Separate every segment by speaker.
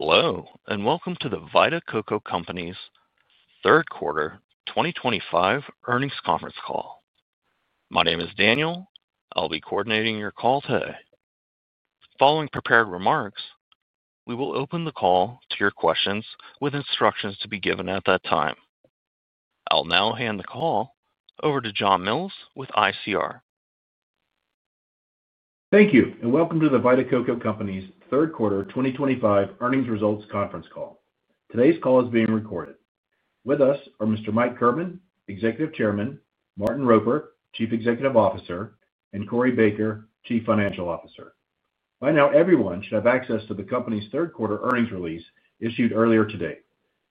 Speaker 1: Hello, and welcome to The Vita Coco Company's third quarter 2025 earnings conference call. My name is Daniel. I'll be coordinating your call today. Following prepared remarks, we will open the call to your questions with instructions to be given at that time. I'll now hand the call over to John Mills with ICR.
Speaker 2: Thank you, and welcome to The Vita Coco Company's third quarter 2025 earnings results conference call. Today's call is being recorded. With us are Mr. Mike Kirban, Executive Chairman, Martin Roper, Chief Executive Officer, and Corey Baker, Chief Financial Officer. By now, everyone should have access to the company's third quarter earnings release issued earlier today.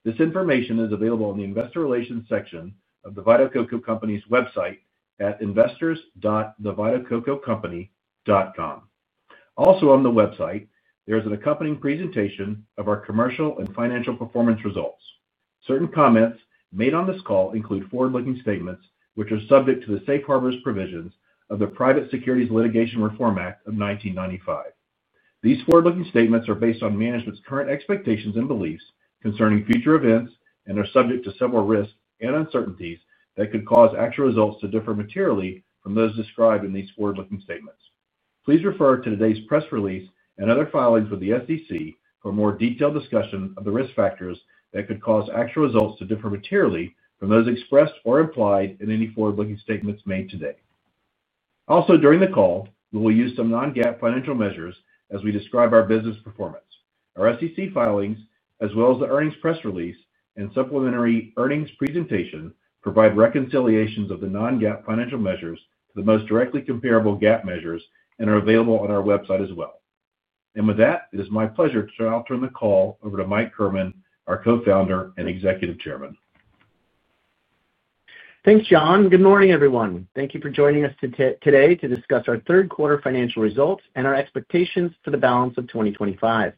Speaker 2: This information is available in the Investor Relations section of The Vita Coco Company's website at investors.thevitacococompany.com. Also, on the website, there is an accompanying presentation of our commercial and financial performance results. Certain comments made on this call include forward-looking statements, which are subject to the Safe Harbors Provisions of the Private Securities Litigation Reform Act of 1995. These forward-looking statements are based on management's current expectations and beliefs concerning future events and are subject to several risks and uncertainties that could cause actual results to differ materially from those described in these forward-looking statements. Please refer to today's press release and other filings with the SEC for a more detailed discussion of the risk factors that could cause actual results to differ materially from those expressed or implied in any forward-looking statements made today. Also, during the call, we will use some non-GAAP financial measures as we describe our business performance. Our SEC filings, as well as the earnings press release and supplementary earnings presentation, provide reconciliations of the non-GAAP financial measures to the most directly comparable GAAP measures and are available on our website as well. With that, it is my pleasure to now turn the call over to Mike Kirban, our Co-Founder and Executive Chairman.
Speaker 3: Thanks, John. Good morning, everyone. Thank you for joining us today to discuss our third quarter financial results and our expectations for the balance of 2025.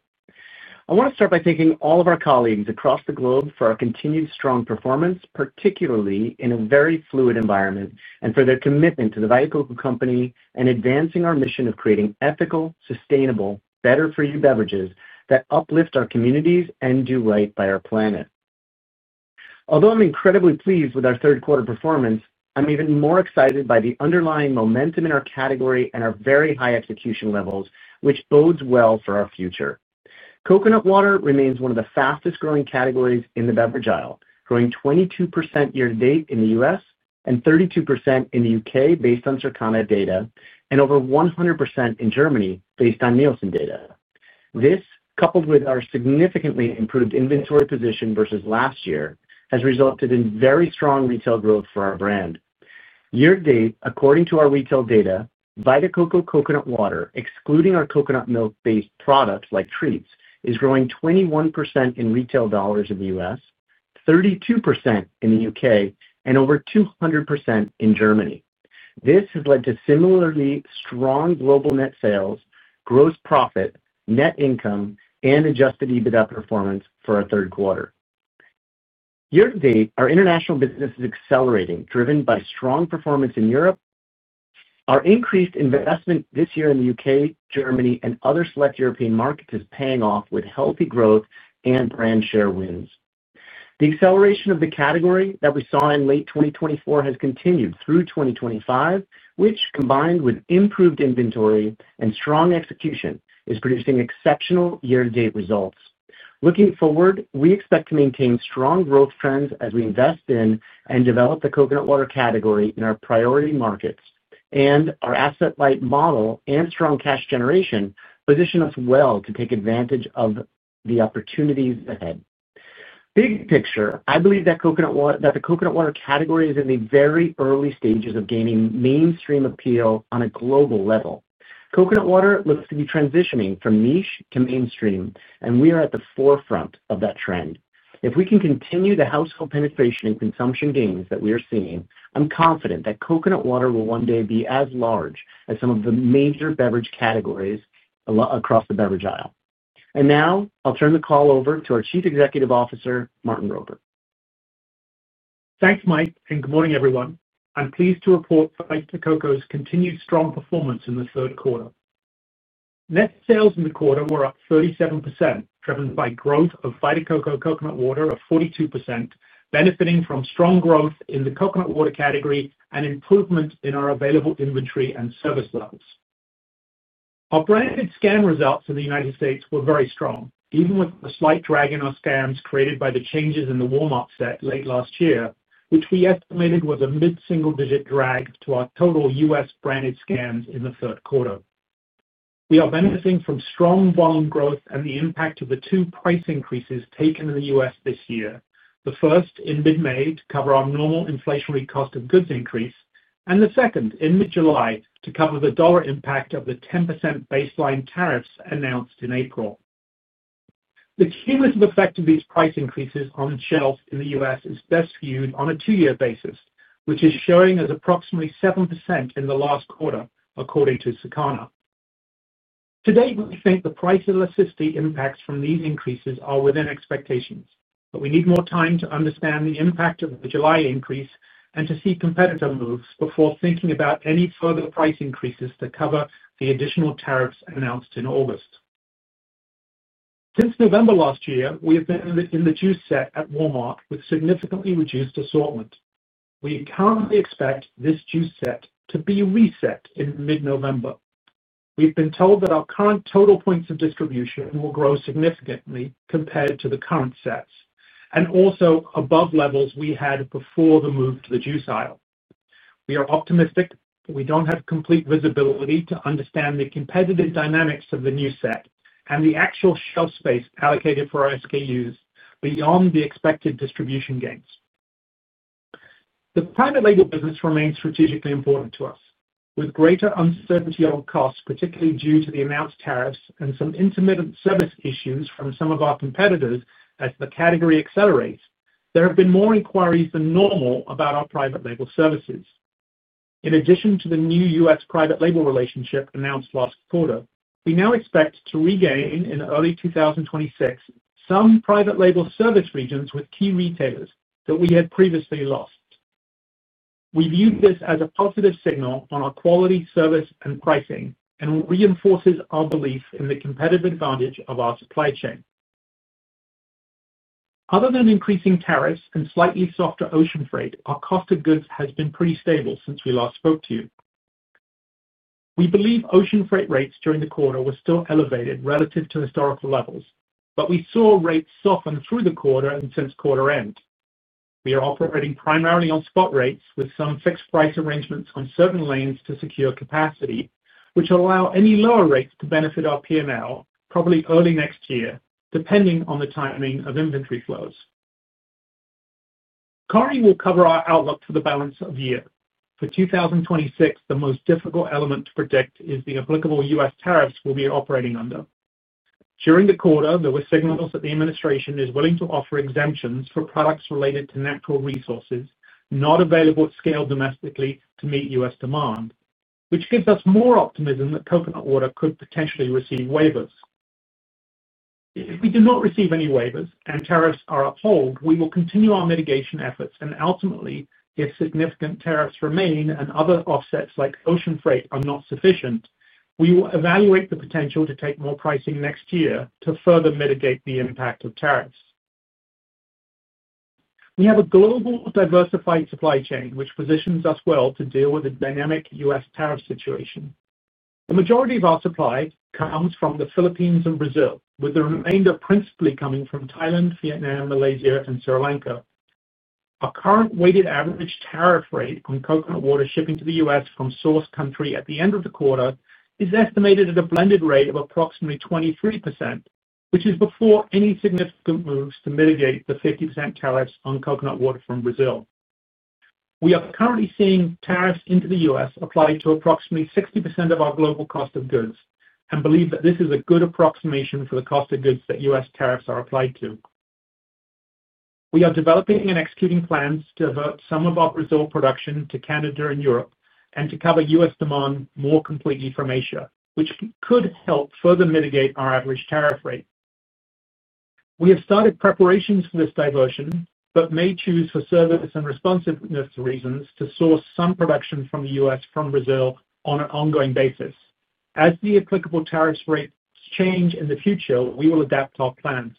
Speaker 3: I want to start by thanking all of our colleagues across the globe for our continued strong performance, particularly in a very fluid environment, and for their commitment to The Vita Coco Company and advancing our mission of creating ethical, sustainable, better-for-you beverages that uplift our communities and do right by our planet. Although I'm incredibly pleased with our third quarter performance, I'm even more excited by the underlying momentum in our category and our very high execution levels, which bodes well for our future. Coconut water remains one of the fastest growing categories in the beverage aisle, growing 22% year to date in the U.S. and 32% in the U.K. based on Circana data, and over 100% in Germany based on Nielsen data. This, coupled with our significantly improved inventory position versus last year, has resulted in very strong retail growth for our brand. Year to date, according to our retail data, Vita Coco Coconut Water, excluding our coconut milk-based products like treats, is growing 21% in retail dollars in the U.S., 32% in the U.K., and over 200% in Germany. This has led to similarly strong global net sales, gross profit, net income, and Adjusted EBITDA performance for our third quarter. Year to date, our international business is accelerating, driven by strong performance in Europe. Our increased investment this year in the U.K., Germany, and other select European markets is paying off with healthy growth and brand share wins. The acceleration of the category that we saw in late 2024 has continued through 2025, which, combined with improved inventory and strong execution, is producing exceptional year-to-date results. Looking forward, we expect to maintain strong growth trends as we invest in and develop the coconut water category in our priority markets, and our asset-light model and strong cash generation position us well to take advantage of the opportunities ahead. Big picture, I believe that the coconut water category is in the very early stages of gaining mainstream appeal on a global level. Coconut water looks to be transitioning from niche to mainstream, and we are at the forefront of that trend. If we can continue the household penetration and consumption gains that we are seeing, I'm confident that coconut water will one day be as large as some of the major beverage categories across the beverage aisle. Now, I'll turn the call over to our Chief Executive Officer, Martin Roper.
Speaker 4: Thanks, Mike, and good morning, everyone. I'm pleased to report Vita Coco's continued strong performance in the third quarter. Net sales in the quarter were up 37%, driven by growth of Vita Coco Coconut Water of 42%, benefiting from strong growth in the coconut water category and improvement in our available inventory and service levels. Our branded scan results in the U.S. were very strong, even with a slight drag in our scans created by the changes in the Walmart set late last year, which we estimated was a mid-single-digit drag to our total U.S. branded scans in the third quarter. We are benefiting from strong volume growth and the impact of the two price increases taken in the U.S. this year, the first in mid-May to cover our normal inflationary cost of goods increase, and the second in mid-July to cover the dollar impact of the 10% baseline tariffs announced in April. The cumulative effect of these price increases on shelves in the U.S. is best viewed on a two-year basis, which is showing as approximately 7% in the last quarter, according to Circana. To date, we think the price elasticity impacts from these increases are within expectations, but we need more time to understand the impact of the July increase and to see competitor moves before thinking about any further price increases to cover the additional tariffs announced in August. Since November last year, we have been in the juice set at Walmart with significantly reduced assortment. We currently expect this juice set to be reset in mid-November. We've been told that our current total points of distribution will grow significantly compared to the current sets and also above levels we had before the move to the juice aisle. We are optimistic, but we don't have complete visibility to understand the competitive dynamics of the new set and the actual shelf space allocated for our SKUs beyond the expected distribution gains. The private label business remains strategically important to us. With greater uncertainty on costs, particularly due to the announced tariffs and some intermittent service issues from some of our competitors as the category accelerates, there have been more inquiries than normal about our private label services. In addition to the new U.S. private label relationship announced last quarter, we now expect to regain in early 2026 some private label service regions with key retailers that we had previously lost. We view this as a positive signal on our quality, service, and pricing, and it reinforces our belief in the competitive advantage of our supply chain. Other than increasing tariffs and slightly softer ocean freight, our cost of goods has been pretty stable since we last spoke to you. We believe ocean freight rates during the quarter were still elevated relative to historical levels, but we saw rates soften through the quarter and since quarter end. We are operating primarily on spot rates with some fixed price arrangements on certain lanes to secure capacity, which will allow any lower rates to benefit our P&L probably early next year, depending on the tightening of inventory flows. Currently, we'll cover our outlook for the balance of the year. For 2026, the most difficult element to predict is the applicable U.S. tariffs we'll be operating under. During the quarter, there were signals that the administration is willing to offer exemptions for products related to natural resources not available at scale domestically to meet U.S. demand, which gives us more optimism that coconut water could potentially receive waivers. If we do not receive any waivers and tariffs are upheld, we will continue our mitigation efforts and ultimately, if significant tariffs remain and other offsets like ocean freight are not sufficient, we will evaluate the potential to take more pricing next year to further mitigate the impact of tariffs. We have a global diversified supply chain, which positions us well to deal with a dynamic U.S. tariff situation. The majority of our supply comes from the Philippines and Brazil, with the remainder principally coming from Thailand, Vietnam, Malaysia, and Sri Lanka. Our current weighted average tariff rate on coconut water shipping to the U.S. from source country at the end of the quarter is estimated at a blended rate of approximately 23%, which is before any significant moves to mitigate the 50% tariffs on coconut water from Brazil. We are currently seeing tariffs into the U.S. applied to approximately 60% of our global cost of goods and believe that this is a good approximation for the cost of goods that U.S. tariffs are applied to. We are developing and executing plans to divert some of our Brazil production to Canada and Europe and to cover U.S. demand more completely from Asia, which could help further mitigate our average tariff rate. We have started preparations for this diversion but may choose for service and responsiveness reasons to source some production for the U.S. from Brazil on an ongoing basis. As the applicable tariff rates change in the future, we will adapt our plans.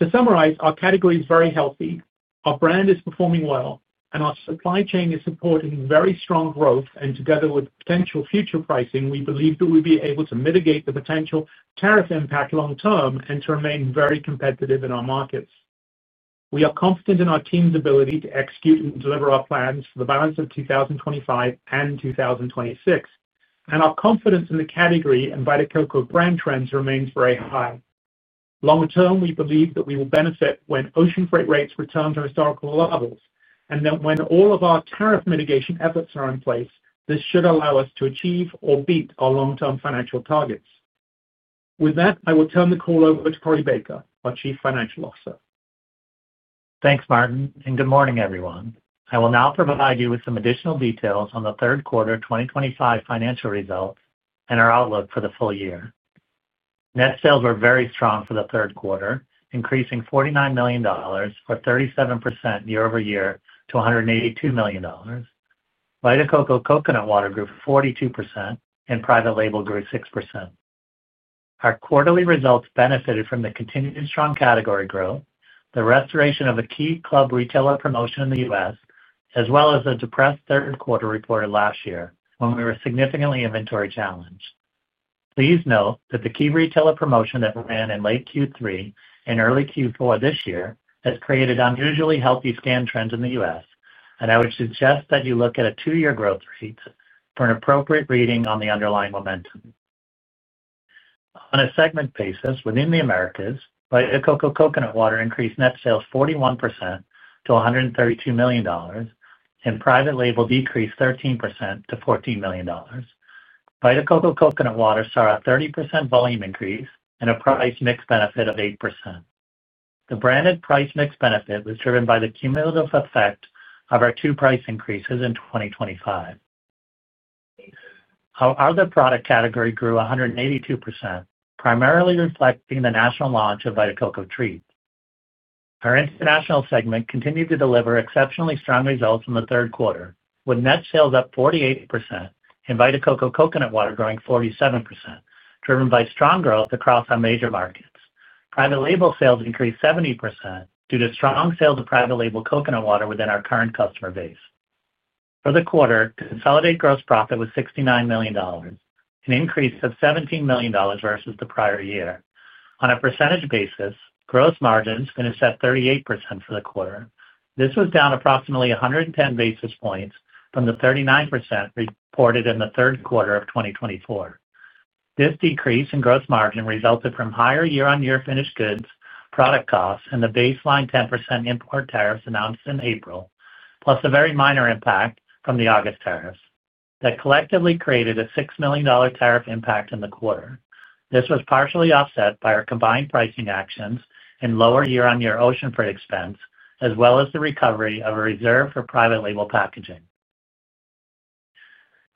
Speaker 4: To summarize, our category is very healthy, our brand is performing well, and our supply chain is supporting very strong growth. Together with potential future pricing, we believe that we'll be able to mitigate the potential tariff impact long-term and to remain very competitive in our markets. We are confident in our team's ability to execute and deliver our plans for the balance of 2025 and 2026, and our confidence in the category and Vita Coco brand trends remains very high. Long-term, we believe that we will benefit when ocean freight rates return to historical levels and that when all of our tariff mitigation efforts are in place, this should allow us to achieve or beat our long-term financial targets. With that, I will turn the call over to Corey Baker, our Chief Financial Officer.
Speaker 5: Thanks, Martin, and good morning, everyone. I will now provide you with some additional details on the third quarter 2025 financial results and our outlook for the full year. Net sales were very strong for the third quarter, increasing $49 million or 37% year-over-year to $182 million. Vita Coco Coconut Water grew 42% and private label grew 6%. Our quarterly results benefited from the continued strong category growth, the restoration of a key club retailer promotion in the U.S., as well as a depressed third quarter reported last year when we were significantly inventory challenged. Please note that the key retailer promotion that ran in late Q3 and early Q4 this year has created unusually healthy scan trends in the U.S., and I would suggest that you look at a two-year growth rate for an appropriate reading on the underlying momentum. On a segment basis within the Americas, Vita Coco Coconut Water increased net sales 41% to $132 million and private label decreased 13% to $14 million. Vita Coco Coconut Water saw a 30% volume increase and a price mix benefit of 8%. The branded price mix benefit was driven by the cumulative effect of our two price increases in 2025. Our other product category grew 182%, primarily reflecting the national launch of Vita Coco Treats. Our international segment continued to deliver exceptionally strong results in the third quarter, with net sales up 48% and Vita Coco Coconut Water growing 47%, driven by strong growth across our major markets. Private label sales increased 70% due to strong sales of private label coconut water within our current customer base. For the quarter, consolidated gross profit was $69 million, an increase of $17 million versus the prior year. On a percentage basis, gross margins finished at 38% for the quarter. This was down approximately 110 basis points from the 39% reported in the third quarter of 2024. This decrease in gross margin resulted from higher year-on-year finished goods product costs and the baseline 10% import tariffs announced in April, plus a very minor impact from the August tariffs that collectively created a $6 million tariff impact in the quarter. This was partially offset by our combined pricing actions and lower year-on-year ocean freight expense, as well as the recovery of a reserve for private label packaging.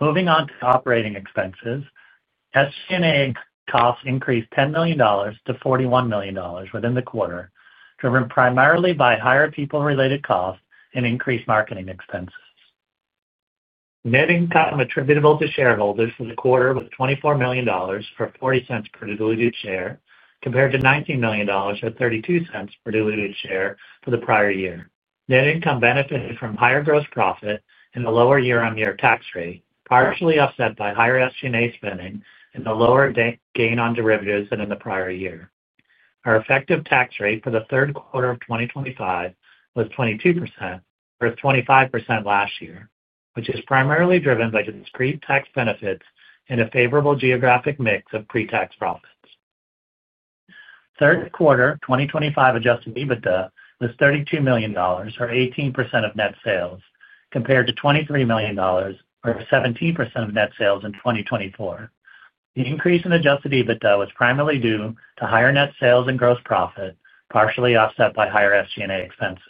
Speaker 5: Moving on to operating expenses, SG&A costs increased $10 million to $41 million within the quarter, driven primarily by higher people-related costs and increased marketing expenses. Net income attributable to shareholders for the quarter was $24 million or $0.40 per diluted share, compared to $19 million or $0.32 per diluted share for the prior year. Net income benefited from higher gross profit and a lower year-on-year tax rate, partially offset by higher SG&A spending and a lower gain on derivatives than in the prior year. Our effective tax rate for the third quarter of 2025 was 22%, versus 25% last year, which is primarily driven by discrete tax benefits and a favorable geographic mix of pre-tax profits. Third quarter 2025 Adjusted EBITDA was $32 million, or 18% of net sales, compared to $23 million, or 17% of net sales in 2024. The increase in Adjusted EBITDA was primarily due to higher net sales and gross profit, partially offset by higher SG&A expenses.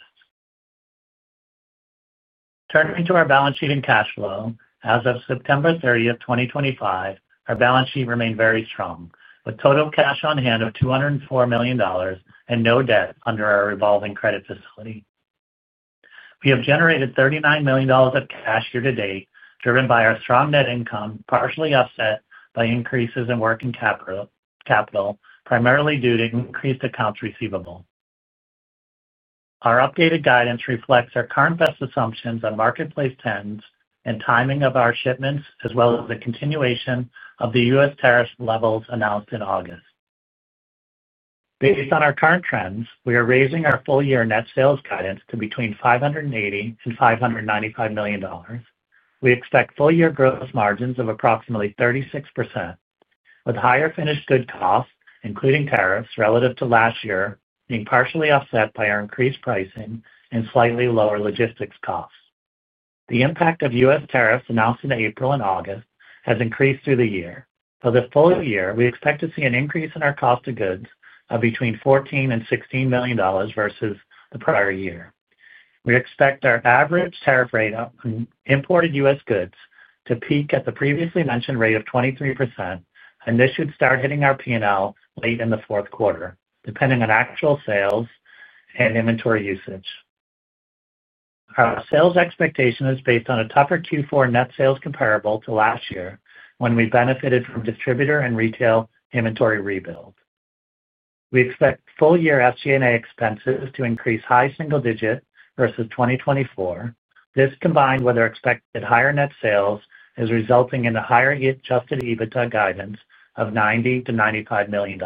Speaker 5: Turning to our balance sheet and cash flow, as of September 30, 2025, our balance sheet remained very strong, with total cash on hand of $204 million and no debt under our revolving credit facility. We have generated $39 million of cash year to date, driven by our strong net income, partially offset by increases in working capital, primarily due to increased accounts receivable. Our updated guidance reflects our current best assumptions on marketplace trends and timing of our shipments, as well as the continuation of the U.S. tariff levels announced in August. Based on our current trends, we are raising our full-year net sales guidance to between $580 and $595 million. We expect full-year gross margins of approximately 36%, with higher finished good costs, including tariffs, relative to last year being partially offset by our increased pricing and slightly lower logistics costs. The impact of U.S. tariffs announced in April and August has increased through the year. For the full year, we expect to see an increase in our cost of goods of between $14 and $16 million versus the prior year. We expect our average tariff rate on imported U.S. goods to peak at the previously mentioned rate of 23%, and this should start hitting our P&L late in the fourth quarter, depending on actual sales and inventory usage. Our sales expectation is based on a tougher Q4 net sales comparable to last year, when we benefited from distributor and retail inventory rebuild. We expect full-year SG&A expenses to increase high single digit versus 2024. This, combined with our expected higher net sales, is resulting in a higher Adjusted EBITDA guidance of $90 million-$95 million.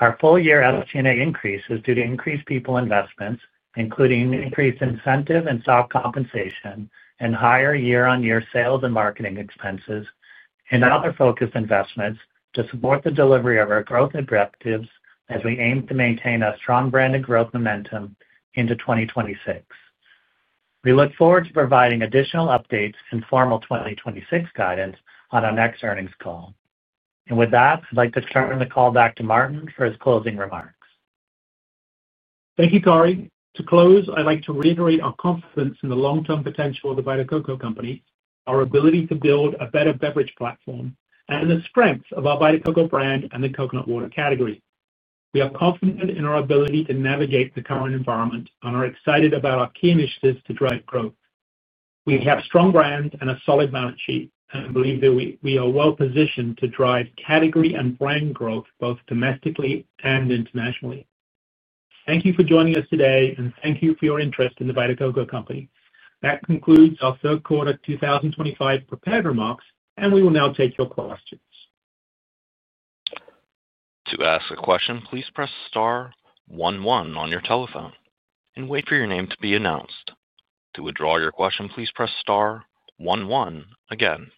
Speaker 5: Our full-year SG&A increase is due to increased people investments, including increased incentive and soft compensation, and higher year-on-year sales and marketing expenses and other focused investments to support the delivery of our growth objectives as we aim to maintain a strong branded growth momentum into 2026. We look forward to providing additional updates and formal 2026 guidance on our next earnings call. I'd like to turn the call back to Martin for his closing remarks.
Speaker 4: Thank you, Corey. To close, I'd like to reiterate our confidence in the long-term potential of The Vita Coco Company, our ability to build a better beverage platform, and the strength of our Vita Coco brand and the coconut water category. We are confident in our ability to navigate the current environment and are excited about our key initiatives to drive growth. We have a strong brand and a solid balance sheet and believe that we are well positioned to drive category and brand growth both domestically and internationally. Thank you for joining us today, and thank you for your interest in The Vita Coco Company. That concludes our third quarter 2025 prepared remarks, and we will now take your questions.
Speaker 1: To ask a question, please press star one one on your telephone and wait for your name to be announced. To withdraw your question, please press star one one again.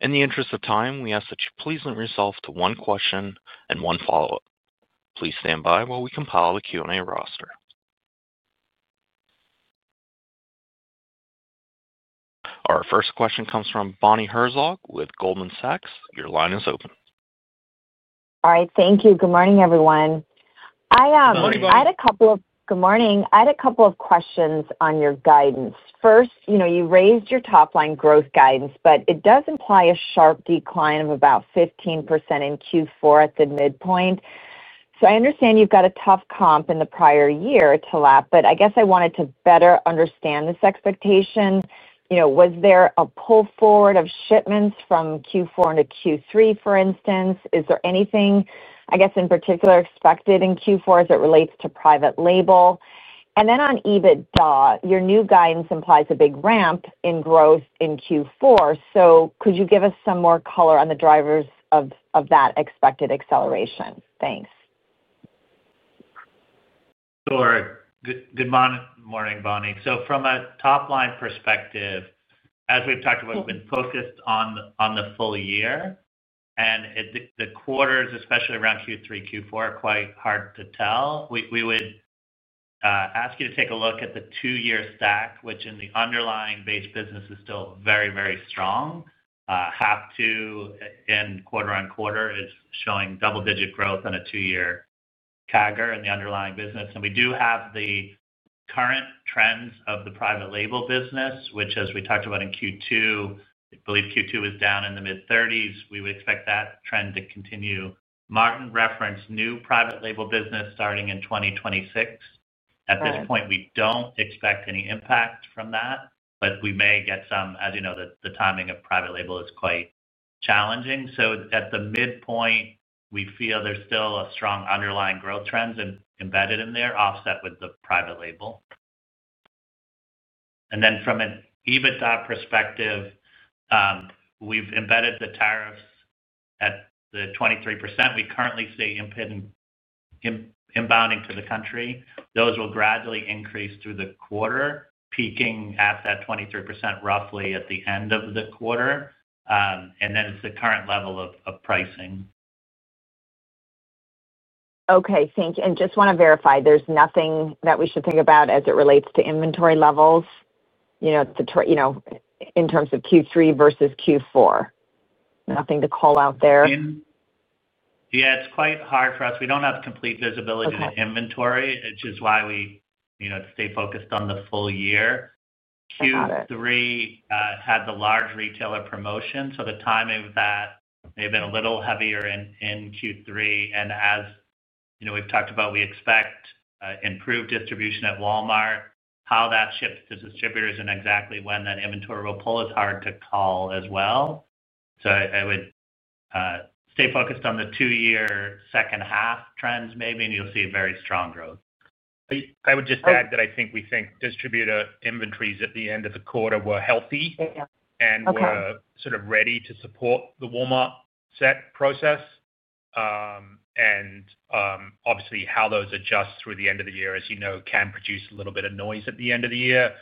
Speaker 1: In the interest of time, we ask that you please limit yourself to one question and one follow-up. Please stand by while we compile the Q&A roster. Our first question comes from Bonnie Lee Herzog with Goldman Sachs Group Inc. Your line is open.
Speaker 6: All right. Thank you. Good morning, everyone. I had a couple of questions on your guidance. First, you raised your top-line growth guidance, but it does imply a sharp decline of about 15% in Q4 at the midpoint. I understand you've got a tough comp in the prior year to lap. I wanted to better understand this expectation. Was there a pull forward of shipments from Q4 into Q3, for instance? Is there anything in particular expected in Q4 as it relates to private label? On EBITDA, your new guidance implies a big ramp in growth in Q4. Could you give us some more color on the drivers of that expected acceleration? Thanks.
Speaker 5: Sure. Good morning, Bonnie. From a top-line perspective, as we've talked about, we've been focused on the full year, and the quarters, especially around Q3 and Q4, are quite hard to tell. We would ask you to take a look at the two-year stack, which in the underlying-based business is still very, very strong. Half to end quarter on quarter is showing double-digit growth on a two-year CAGR in the underlying business. We do have the current trends of the private label business, which, as we talked about in Q2, I believe Q2 was down in the mid-30s. We would expect that trend to continue. Martin referenced new private label business starting in 2026. At this point, we don't expect any impact from that, but we may get some. As you know, the timing of private label is quite challenging. At the midpoint, we feel there's still a strong underlying growth trend embedded in there, offset with the private label. From an EBITDA perspective, we've embedded the tariffs at the 23% we currently see impounding to the country. Those will gradually increase through the quarter, peaking at that 23% roughly at the end of the quarter. It's the current level of pricing.
Speaker 6: Okay. Thank you. Just want to verify, there's nothing that we should think about as it relates to inventory levels, you know, in terms of Q3 versus Q4? Nothing to call out there?
Speaker 5: Yeah, it's quite hard for us. We don't have complete visibility to the inventory, which is why we stay focused on the full year. Q3 had the large retailer promotion, so the timing of that may have been a little heavier in Q3. As you know, we've talked about, we expect improved distribution at Walmart. How that shifts to distributors and exactly when that inventory will pull is hard to call as well. I would stay focused on the two-year second half trends, maybe, and you'll see very strong growth.
Speaker 4: I would just add that I think we think distributor inventories at the end of the quarter were healthy and were sort of ready to support the Walmart set process. Obviously, how those adjust through the end of the year, as you know, can produce a little bit of noise at the end of the year.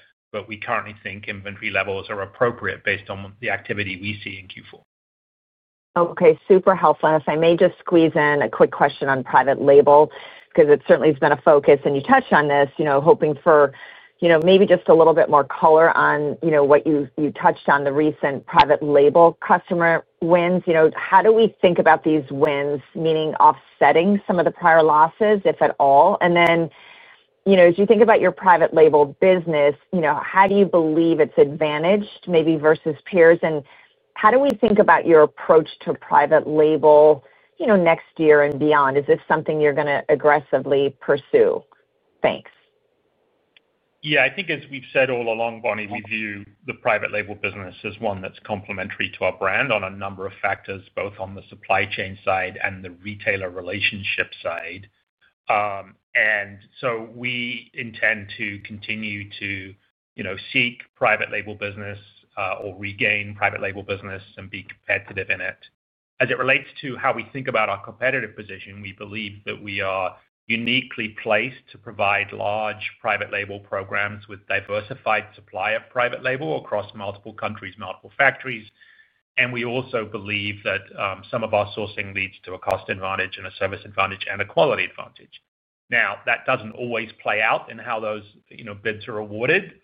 Speaker 4: We currently think inventory levels are appropriate based on the activity we see in Q4.
Speaker 6: Okay. Super helpful. If I may just squeeze in a quick question on private label, because it certainly has been a focus, and you touched on this, hoping for maybe just a little bit more color on what you touched on, the recent private label customer wins. How do we think about these wins, meaning offsetting some of the prior losses, if at all? As you think about your private label business, how do you believe it's advantaged maybe versus peers? How do we think about your approach to private label next year and beyond? Is this something you're going to aggressively pursue? Thanks.
Speaker 4: Yeah, I think as we've said all along, Bonnie, we view the private label business as one that's complementary to our brand on a number of factors, both on the supply chain side and the retailer relationship side. We intend to continue to seek private label business or regain private label business and be competitive in it. As it relates to how we think about our competitive position, we believe that we are uniquely placed to provide large private label programs with diversified supply of private label across multiple countries, multiple factories. We also believe that some of our sourcing leads to a cost advantage, a service advantage, and a quality advantage. That doesn't always play out in how those bids are awarded.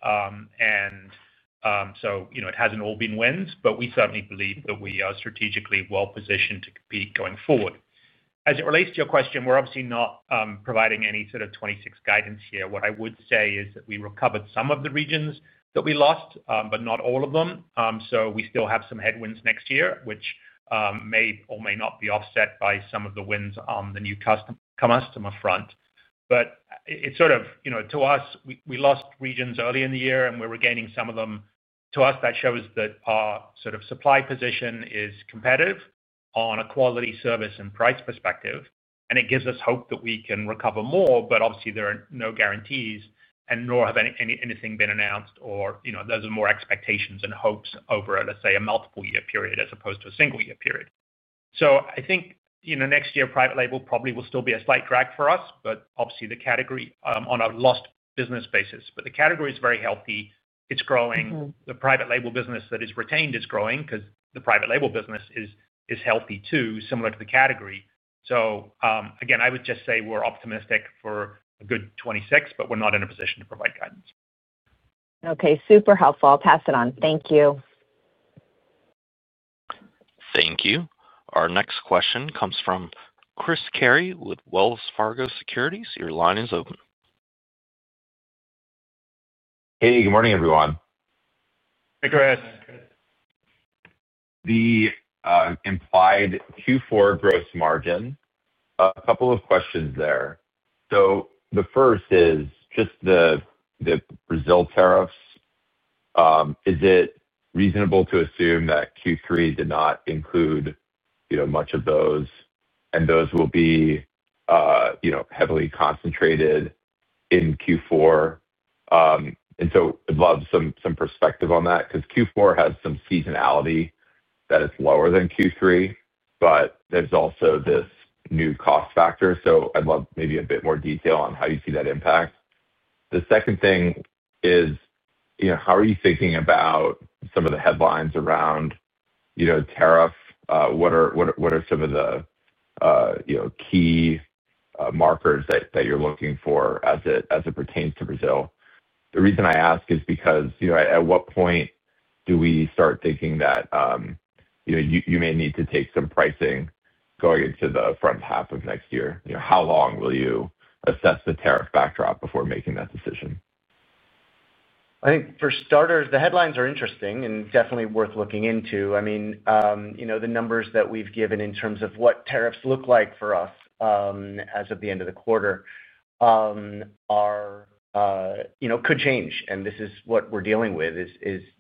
Speaker 4: It hasn't all been wins, but we certainly believe that we are strategically well positioned to compete going forward. As it relates to your question, we're obviously not providing any sort of 2026 guidance here. What I would say is that we recovered some of the regions that we lost, but not all of them. We still have some headwinds next year, which may or may not be offset by some of the wins on the new customer front. We lost regions early in the year, and we're regaining some of them. That shows that our supply position is competitive on a quality, service, and price perspective. It gives us hope that we can recover more, but obviously, there are no guarantees, nor has anything been announced. Those are more expectations and hopes over, let's say, a multiple-year period as opposed to a single-year period. I think next year, private label probably will still be a slight drag for us, obviously, the category on a lost business basis. The category is very healthy. It's growing. The private label business that is retained is growing because the private label business is healthy too, similar to the category. Again, I would just say we're optimistic for a good 2026, but we're not in a position to provide guidance.
Speaker 6: Okay. Super helpful. I'll pass it on. Thank you.
Speaker 1: Thank you. Our next question comes from Chris Carey with Wells Fargo Securities. Your line is open.
Speaker 7: Hey, good morning, everyone.
Speaker 4: Hey, Chris.
Speaker 7: The implied Q4 gross margin, a couple of questions there. The first is just the Brazil tariffs. Is it reasonable to assume that Q3 did not include much of those, and those will be heavily concentrated in Q4? I'd love some perspective on that because Q4 has some seasonality that it's lower than Q3, but there's also this new cost factor. I'd love maybe a bit more detail on how you see that impact. The second thing is, how are you thinking about some of the headlines around tariff? What are some of the key markers that you're looking for as it pertains to Brazil? The reason I ask is because, at what point do we start thinking that you may need to take some pricing going into the front half of next year? How long will you assess the tariff backdrop before making that decision?
Speaker 3: I think for starters, the headlines are interesting and definitely worth looking into. The numbers that we've given in terms of what tariffs look like for us as of the end of the quarter could change. This is what we're dealing with,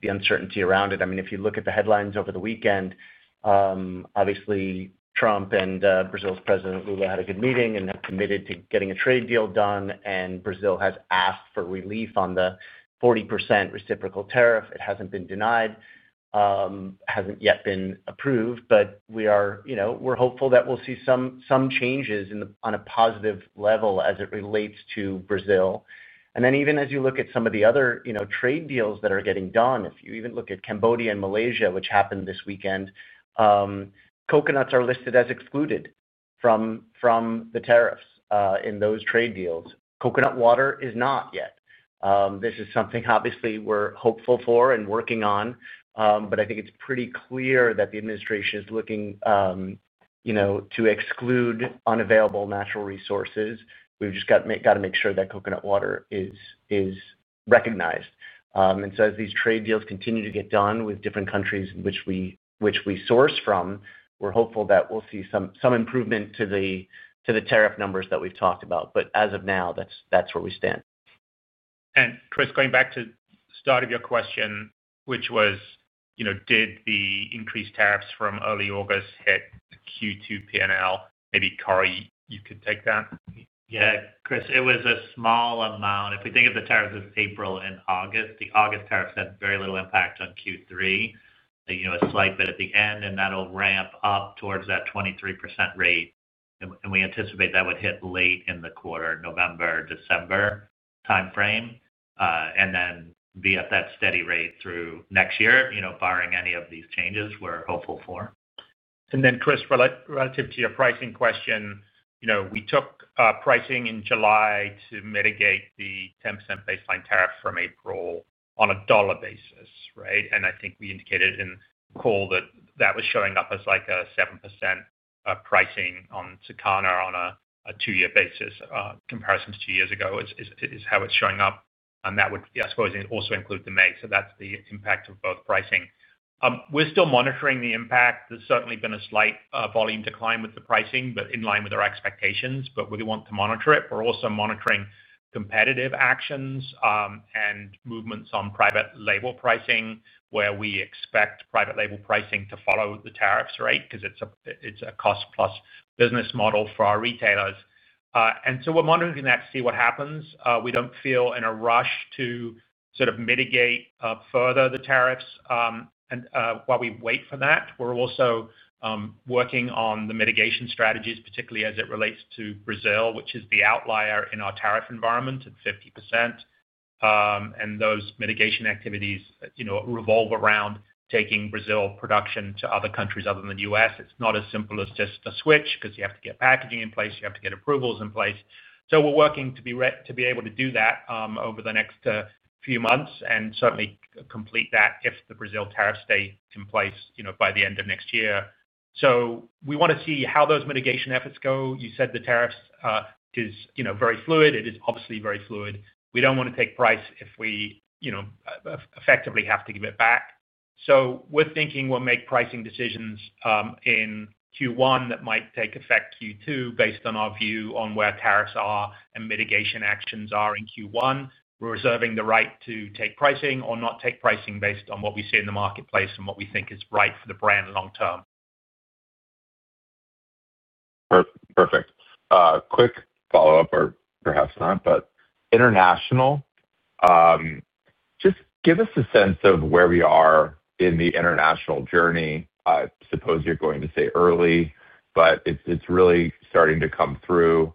Speaker 3: the uncertainty around it. If you look at the headlines over the weekend, obviously, Trump and Brazil's President Lula had a good meeting and have committed to getting a trade deal done. Brazil has asked for relief on the 40% reciprocal tariff. It hasn't been denied, hasn't yet been approved. We are hopeful that we'll see some changes on a positive level as it relates to Brazil. Even as you look at some of the other trade deals that are getting done, if you even look at Cambodia and Malaysia, which happened this weekend, coconuts are listed as excluded from the tariffs in those trade deals. Coconut water is not yet. This is something we're hopeful for and working on. I think it's pretty clear that the administration is looking to exclude unavailable natural resources. We've just got to make sure that coconut water is recognized. As these trade deals continue to get done with different countries in which we source from, we're hopeful that we'll see some improvement to the tariff numbers that we've talked about. As of now, that's where we stand.
Speaker 4: Chris, going back to the start of your question, which was, you know, did the increased tariffs from early August hit Q2 P&L? Maybe Corey, you could take that.
Speaker 5: Yeah, Chris, it was a small amount. If we think of the tariffs of April and August, the August tariffs had very little impact on Q3, a slight bit at the end, and that'll ramp up towards that 23% rate. We anticipate that would hit late in the quarter, November, December timeframe, and then be at that steady rate through next year, barring any of these changes we're hopeful for.
Speaker 4: Chris, relative to your pricing question, we took pricing in July to mitigate the 10% baseline tariff from April on a dollar basis, right? I think we indicated in the call that that was showing up as like a 7% pricing on Circana on a two-year basis. Comparisons two years ago is how it's showing up. That would, I suppose, also include the May. That's the impact of both pricing. We're still monitoring the impact. There's certainly been a slight volume decline with the pricing, but in line with our expectations. We want to monitor it. We're also monitoring competitive actions and movements on private label pricing where we expect private label pricing to follow the tariffs rate because it's a cost-plus business model for our retailers. We're monitoring that to see what happens. We don't feel in a rush to mitigate further the tariffs. While we wait for that, we're also working on the mitigation strategies, particularly as it relates to Brazil, which is the outlier in our tariff environment at 50%. Those mitigation activities revolve around taking Brazil production to other countries other than the U.S. It's not as simple as just a switch because you have to get packaging in place. You have to get approvals in place. We're working to be able to do that over the next few months and certainly complete that if the Brazil tariffs stay in place by the end of next year. We want to see how those mitigation efforts go. You said the tariffs are very fluid. It is obviously very fluid. We don't want to take price if we effectively have to give it back. We're thinking we'll make pricing decisions in Q1 that might take effect Q2 based on our view on where tariffs are and mitigation actions are in Q1. We're reserving the right to take pricing or not take pricing based on what we see in the marketplace and what we think is right for the brand long-term.
Speaker 7: Perfect. Quick follow-up, or perhaps not, but international, just give us a sense of where we are in the international journey. I suppose you're going to say early, but it's really starting to come through.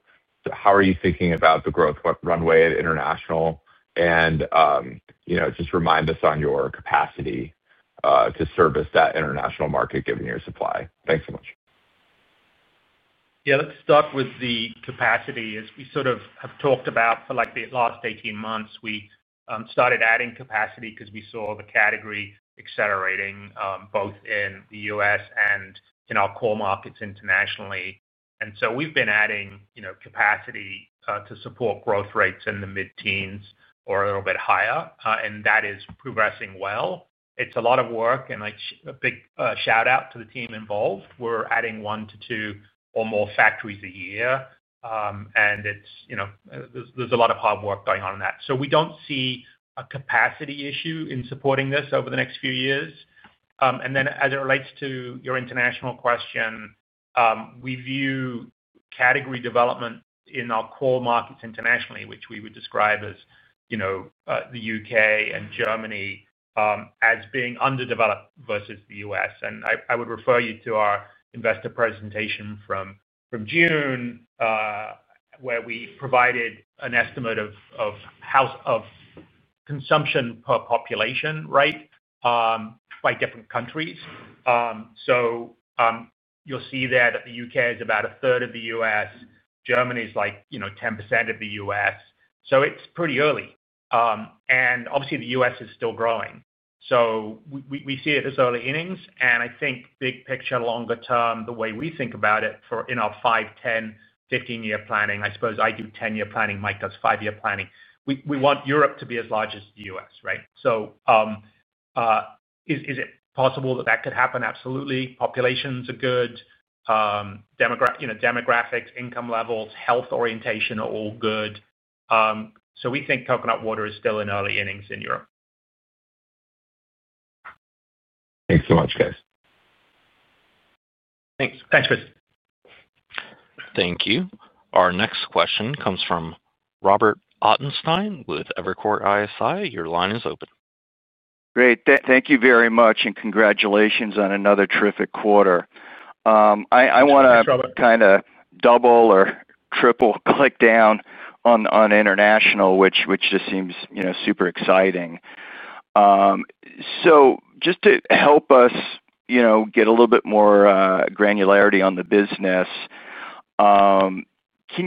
Speaker 7: How are you thinking about the growth runway at international? You know, just remind us on your capacity to service that international market given your supply. Thanks so much.
Speaker 4: Yeah, let's start with the capacity. As we sort of have talked about for the last 18 months, we started adding capacity because we saw the category accelerating both in the U.S. and in our core markets internationally. We've been adding capacity to support growth rates in the mid-teens or a little bit higher. That is progressing well. It's a lot of work. A big shout-out to the team involved. We're adding one to two or more factories a year. There's a lot of hard work going on in that. We don't see a capacity issue in supporting this over the next few years. As it relates to your international question, we view category development in our core markets internationally, which we would describe as the U.K. and Germany, as being underdeveloped versus the U.S. I would refer you to our investor presentation from June, where we provided an estimate of consumption per population by different countries. You'll see there that the U.K. is about a third of the U.S. Germany is like 10% of the U.S. It's pretty early. Obviously, the U.S. is still growing. We see it as early innings. I think big picture, longer term, the way we think about it in our five, 10, 15-year planning—I suppose I do 10-year planning, Mike does five-year planning—we want Europe to be as large as the U.S., right? Is it possible that that could happen? Absolutely. Populations are good. Demographics, income levels, health orientation are all good. We think coconut water is still in early innings in Europe.
Speaker 7: Thanks so much, guys.
Speaker 4: Thanks. Thanks, Chris.
Speaker 1: Thank you. Our next question comes from Robert Edward Ottenstein with Evercore ISI. Your line is open.
Speaker 8: Great. Thank you very much, and congratulations on another terrific quarter.
Speaker 4: Thanks, Robert.
Speaker 8: I want to double or triple click down on international, which just seems, you know, super exciting. Just to help us get a little bit more granularity on the business, can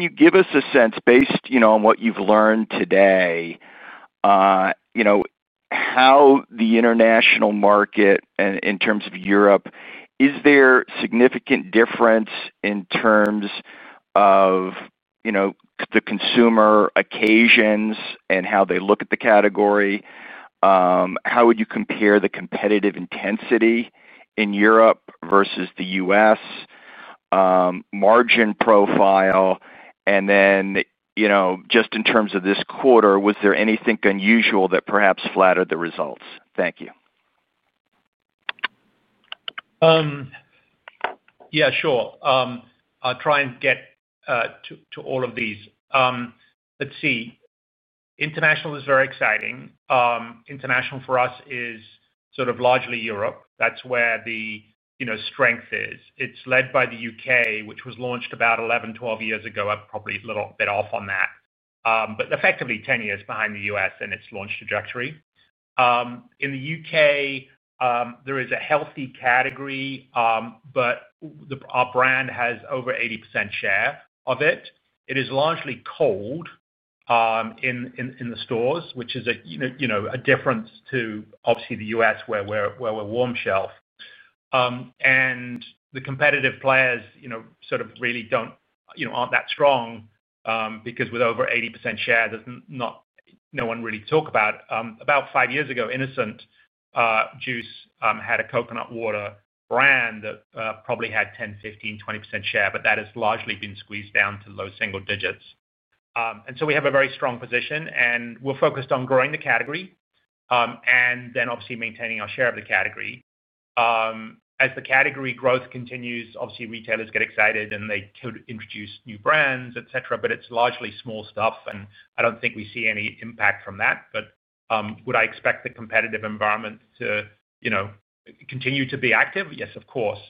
Speaker 8: you give us a sense, based on what you've learned today, how the international market, and in terms of Europe, is there a significant difference in terms of the consumer occasions and how they look at the category? How would you compare the competitive intensity in Europe versus the U.S. margin profile? In terms of this quarter, was there anything unusual that perhaps flattered the results? Thank you.
Speaker 4: Yeah, sure. I'll try and get to all of these. Let's see. International is very exciting. International for us is sort of largely Europe. That's where the strength is. It's led by the U.K., which was launched about 11 or 12 years ago. I'm probably a little bit off on that, but effectively, 10 years behind the US in its launch trajectory. In the U.K., there is a healthy category, but our brand has over 80% share of it. It is largely cold in the stores, which is a difference to obviously the US where we're warm shelf. The competitive players really aren't that strong because with over 80% share, there's not really anyone talking about it. About five years ago, Innocent Juice had a coconut water brand that probably had 10%, 15%, 20% share, but that has largely been squeezed down to low single digits. We have a very strong position, and we're focused on growing the category and obviously maintaining our share of the category. As the category growth continues, retailers get excited, and they could introduce new brands, etc. It's largely small stuff, and I don't think we see any impact from that. Would I expect the competitive environment to continue to be active? Yes, of course.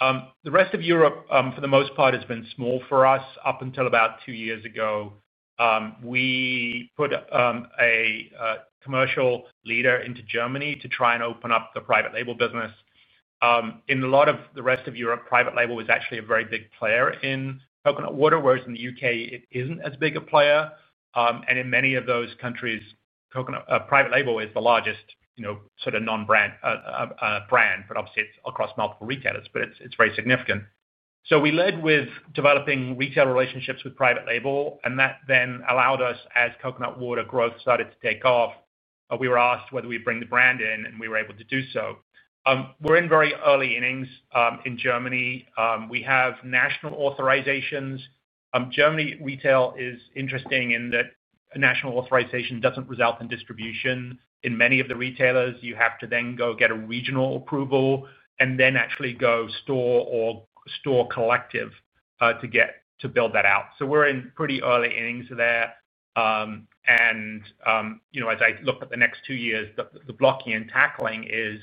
Speaker 4: The rest of Europe, for the most part, has been small for us up until about two years ago. We put a commercial leader into Germany to try and open up the private label business. In a lot of the rest of Europe, private label was actually a very big player in coconut water, whereas in the U.K., it isn't as big a player. In many of those countries, private label is the largest non-brand brand, but obviously, it's across multiple retailers, but it's very significant. We led with developing retail relationships with private label, and that then allowed us, as coconut water growth started to take off, we were asked whether we'd bring the brand in, and we were able to do so. We're in very early innings in Germany. We have national authorizations. Germany retail is interesting in that a national authorization doesn't result in distribution. In many of the retailers, you have to then go get a regional approval and then actually go store or store collective to build that out. We're in pretty early innings there. As I look at the next two years, the blocking and tackling is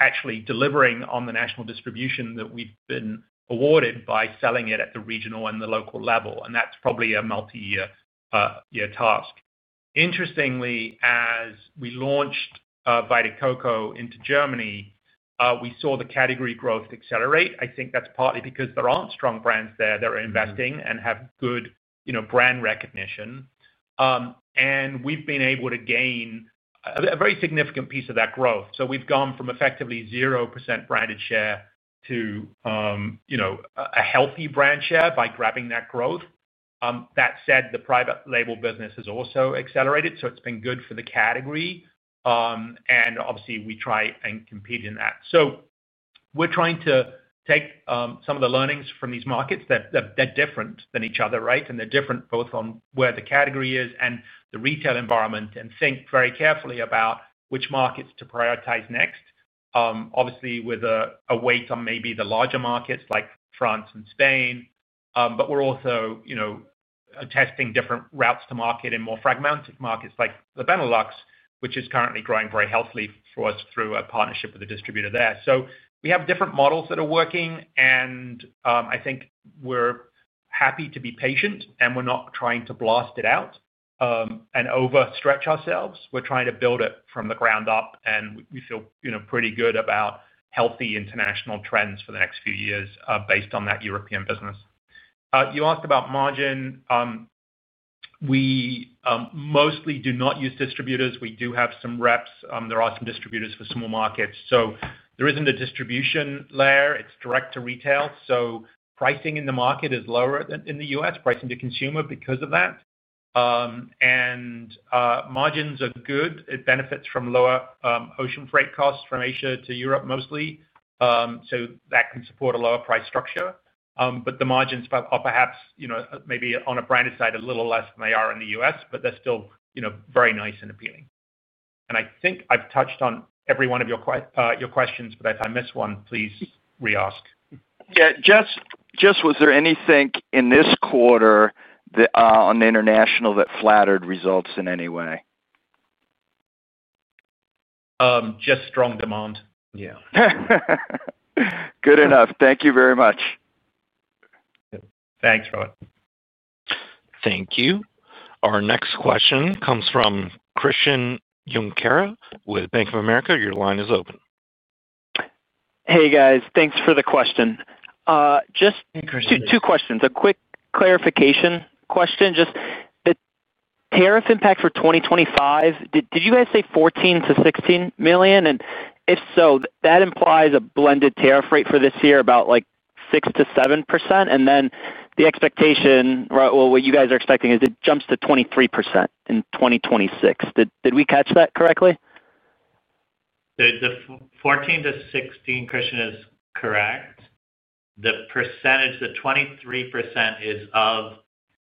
Speaker 4: actually delivering on the national distribution that we've been awarded by selling it at the regional and the local level. That's probably a multi-year task. Interestingly, as we launched Vita Coco into Germany, we saw the category growth accelerate. I think that's partly because there aren't strong brands there that are investing and have good brand recognition. We've been able to gain a very significant piece of that growth. We've gone from effectively 0% branded share to a healthy brand share by grabbing that growth. That said, the private label business has also accelerated, so it's been good for the category. Obviously, we try and compete in that. We're trying to take some of the learnings from these markets that are different than each other, right? They're different both on where the category is and the retail environment and think very carefully about which markets to prioritize next, obviously with a weight on maybe the larger markets like France and Spain. We're also testing different routes to market in more fragmented markets like the Benelux, which is currently growing very healthily for us through a partnership with a distributor there. We have different models that are working, and I think we're happy to be patient, and we're not trying to blast it out and overstretch ourselves. We're trying to build it from the ground up, and we feel pretty good about healthy international trends for the next few years based on that European business. You asked about margin. We mostly do not use distributors. We do have some reps. There are some distributors for small markets. There isn't a distribution layer. It's direct to retail. Pricing in the market is lower than in the U.S., pricing to consumer because of that. Margins are good. It benefits from lower ocean freight costs from Asia to Europe mostly. That can support a lower price structure. The margins are perhaps maybe on a branded side a little less than they are in the U.S., but they're still very nice and appealing. I think I've touched on every one of your questions, but if I miss one, please reask.
Speaker 8: Yeah, was there anything in this quarter on the international that flattered results in any way?
Speaker 4: Just strong demand.
Speaker 8: Yeah, good enough. Thank you very much.
Speaker 4: Thanks, Robert.
Speaker 1: Thank you. Our next question comes from Christian Junquera with BofA Securities. Your line is open.
Speaker 9: Hey, guys. Thanks for the question. Just two questions. A quick clarification question. Just the tariff impact for 2025, did you guys say $14 million-$16 million? If so, that implies a blended tariff rate for this year about like 6%-7%. The expectation, what you guys are expecting is it jumps to 23% in 2026. Did we catch that correctly?
Speaker 5: The 14 to 16, Christian, is correct. The percentage, the 23% is of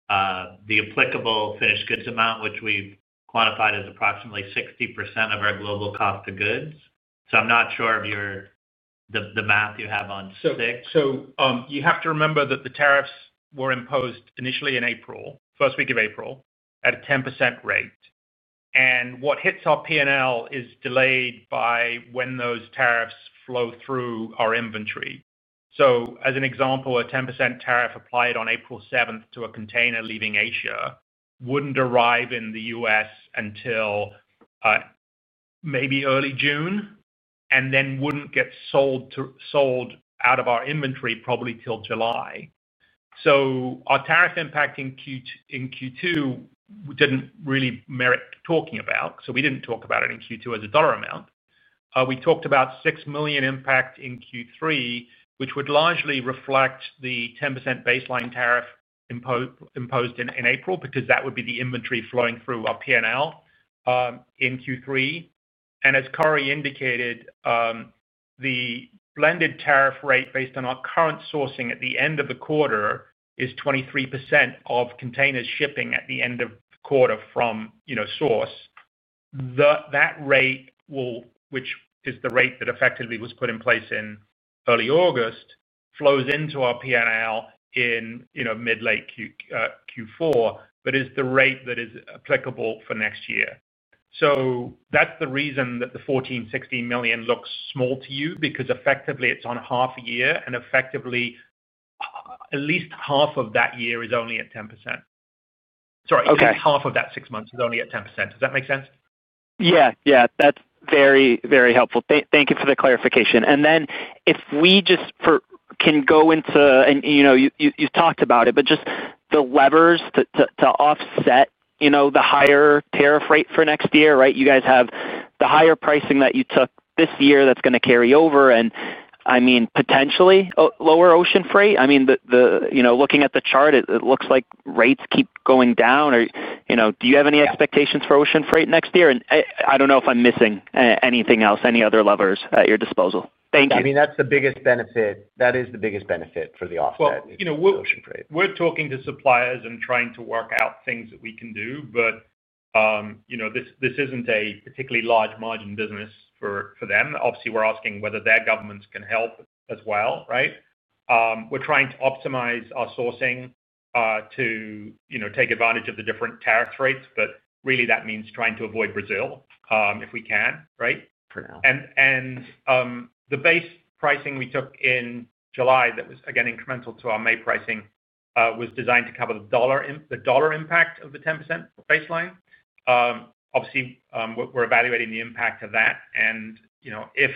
Speaker 5: the applicable finished goods amount, which we've quantified as approximately 60% of our global cost of goods. I'm not sure of the math you have on six.
Speaker 4: You have to remember that the tariffs were imposed initially in the first week of April at a 10% rate. What hits our P&L is delayed by when those tariffs flow through our inventory. For example, a 10% tariff applied on April 7 to a container leaving Asia would not arrive in the U.S. until maybe early June, and then would not get sold out of our inventory probably until July. Our tariff impact in Q2 did not really merit talking about. We did not talk about it in Q2 as a dollar amount. We talked about a $6 million impact in Q3, which would largely reflect the 10% baseline tariff imposed in April because that would be the inventory flowing through our P&L in Q3. As Corey indicated, the blended tariff rate based on our current sourcing at the end of the quarter is 23% of containers shipping at the end of the quarter from source. That rate, which is the rate that effectively was put in place in early August, flows into our P&L in mid-late Q4, but is the rate that is applicable for next year. That is the reason that the $14 million-$16 million looks small to you because effectively, it is on half a year, and at least half of that year is only at 10%. Sorry, at least half of that six months is only at 10%. Does that make sense?
Speaker 9: Yeah, that's very, very helpful. Thank you for the clarification. If we just can go into, you've talked about it, the levers to offset the higher tariff rate for next year, right? You guys have the higher pricing that you took this year that's going to carry over. I mean, potentially, lower ocean freight. Looking at the chart, it looks like rates keep going down. Do you have any expectations for ocean freight next year? I don't know if I'm missing anything else, any other levers at your disposal. Thank you.
Speaker 4: I mean, that's the biggest benefit. That is the biggest benefit for the offset is ocean freight. We're talking to suppliers and trying to work out things that we can do. This isn't a particularly large margin business for them. Obviously, we're asking whether their governments can help as well, right? We're trying to optimize our sourcing to, you know, take advantage of the different tariff rates. That means trying to avoid Brazil if we can, right? The base pricing we took in July that was, again, incremental to our May pricing was designed to cover the dollar impact of the 10% baseline. Obviously, we're evaluating the impact of that. If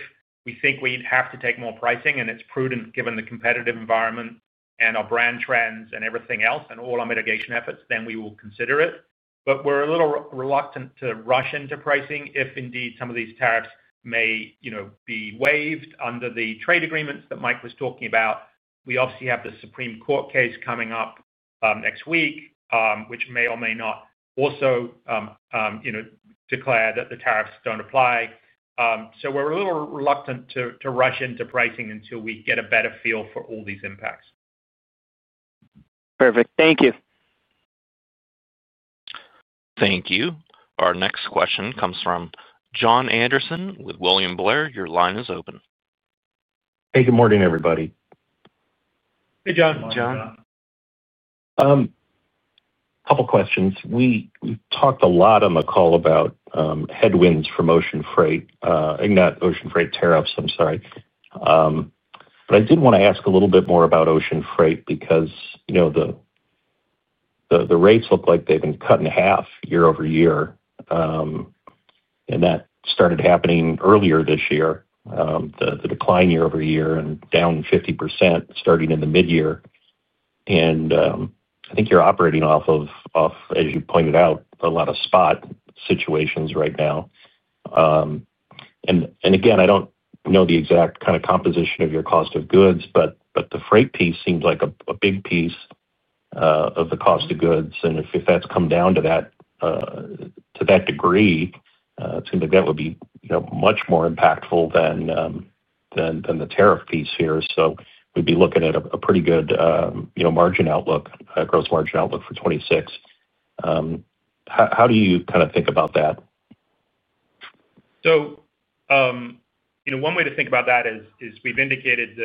Speaker 4: we think we'd have to take more pricing, and it's prudent given the competitive environment and our brand trends and everything else and all our mitigation efforts, then we will consider it. We're a little reluctant to rush into pricing if indeed some of these tariffs may be waived under the trade agreements that Mike was talking about. We obviously have the Supreme Court case coming up next week, which may or may not also declare that the tariffs don't apply. We're a little reluctant to rush into pricing until we get a better feel for all these impacts.
Speaker 9: Perfect. Thank you.
Speaker 1: Thank you. Our next question comes from Jon Anderson with William Blair. Your line is open.
Speaker 10: Hey, good morning, everybody.
Speaker 4: Hey, Jon.
Speaker 5: Jon.
Speaker 10: A couple of questions. We've talked a lot on the call about headwinds from ocean freight, not ocean freight tariffs, I'm sorry. I did want to ask a little bit more about ocean freight because, you know, the rates look like they've been cut in half year-over-year. That started happening earlier this year, the decline year-over-year, and down 50% starting in the mid-year. I think you're operating off of, as you pointed out, a lot of spot situations right now. I don't know the exact kind of composition of your cost of goods, but the freight piece seems like a big piece of the cost of goods. If that's come down to that degree, it seems like that would be, you know, much more impactful than the tariff piece here. We would be looking at a pretty good, you know, margin outlook, a gross margin outlook for 2026. How do you kind of think about that?
Speaker 4: One way to think about that is we've indicated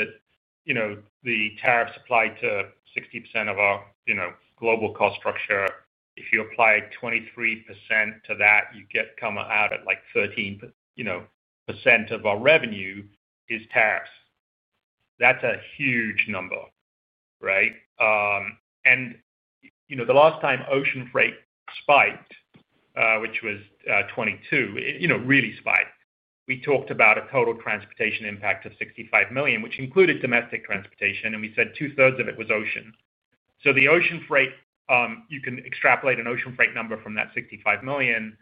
Speaker 4: that the tariffs apply to 60% of our global cost structure. If you apply 23% to that, you get out at like 13% of our revenue is tariffs. That's a huge number, right? The last time ocean freight spiked, which was 2022, really spiked, we talked about a total transportation impact of $65 million, which included domestic transportation. We said two-thirds of it was ocean. The ocean freight, you can extrapolate an ocean freight number from that $65 million,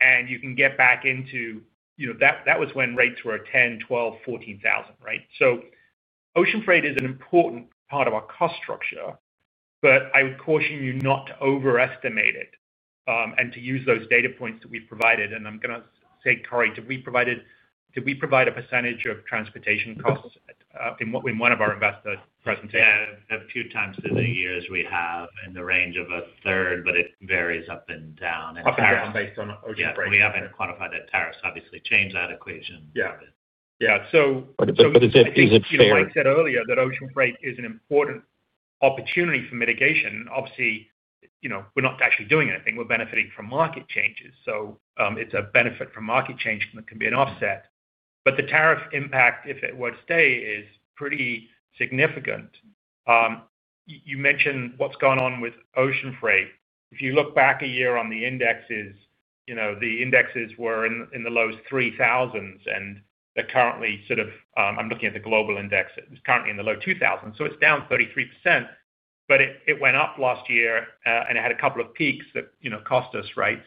Speaker 4: and you can get back into, you know, that was when rates were at $10,000, $12,000, $14,000, right? Ocean freight is an important part of our cost structure, but I would caution you not to overestimate it and to use those data points that we provided. I'm going to say, Corey, did we provide a percentage of transportation costs in one of our investor presentations?
Speaker 5: Yeah, a few times through the years we have in the range of a third, but it varies up and down.
Speaker 4: Quantify that based on ocean freight.
Speaker 5: Yeah, we haven't quantified that. Tariffs obviously change that equation a bit.
Speaker 4: Yeah. So is it fair, like you said earlier, that ocean freight is an important opportunity for mitigation? Obviously, you know, we're not actually doing anything. We're benefiting from market changes. It's a benefit from market change that can be an offset. The tariff impact, if it were to stay, is pretty significant. You mentioned what's gone on with ocean freight. If you look back a year on the indexes, the indexes were in the lowest $3,000s, and they're currently sort of, I'm looking at the global index, it's currently in the low $2,000s. It's down 33%. It went up last year, and it had a couple of peaks that, you know, cost us, right?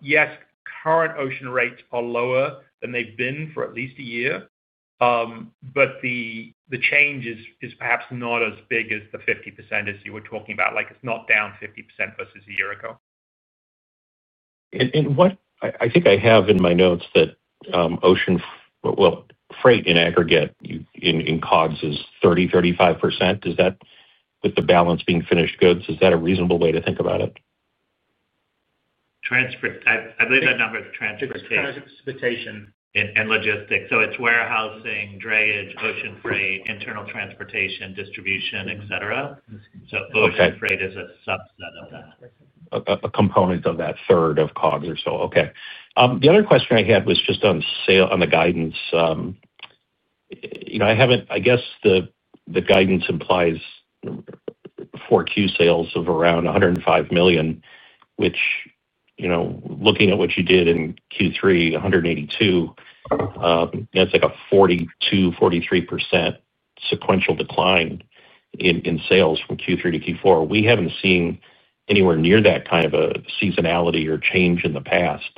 Speaker 4: Yes, current ocean rates are lower than they've been for at least a year, but the change is perhaps not as big as the 50% as you were talking about. It's not down 50% versus a year ago.
Speaker 10: I think I have in my notes that ocean freight in aggregate in COGS is 30%-35%. Is that with the balance being finished goods? Is that a reasonable way to think about it?
Speaker 5: Transcript. I believe that number is transportation.
Speaker 4: It's transportation.
Speaker 5: It's warehousing, drayage, ocean freight, internal transportation, distribution, etc. Ocean freight is a subset of that.
Speaker 10: A component of that third of COGS or so. The other question I had was just on sale on the guidance. I guess the guidance implies Q4 sales of around $105 million, which, looking at what you did in Q3, $182 million, it's like a 42% or 43% sequential decline in sales from Q3 to Q4. We haven't seen anywhere near that kind of a seasonality or change in the past.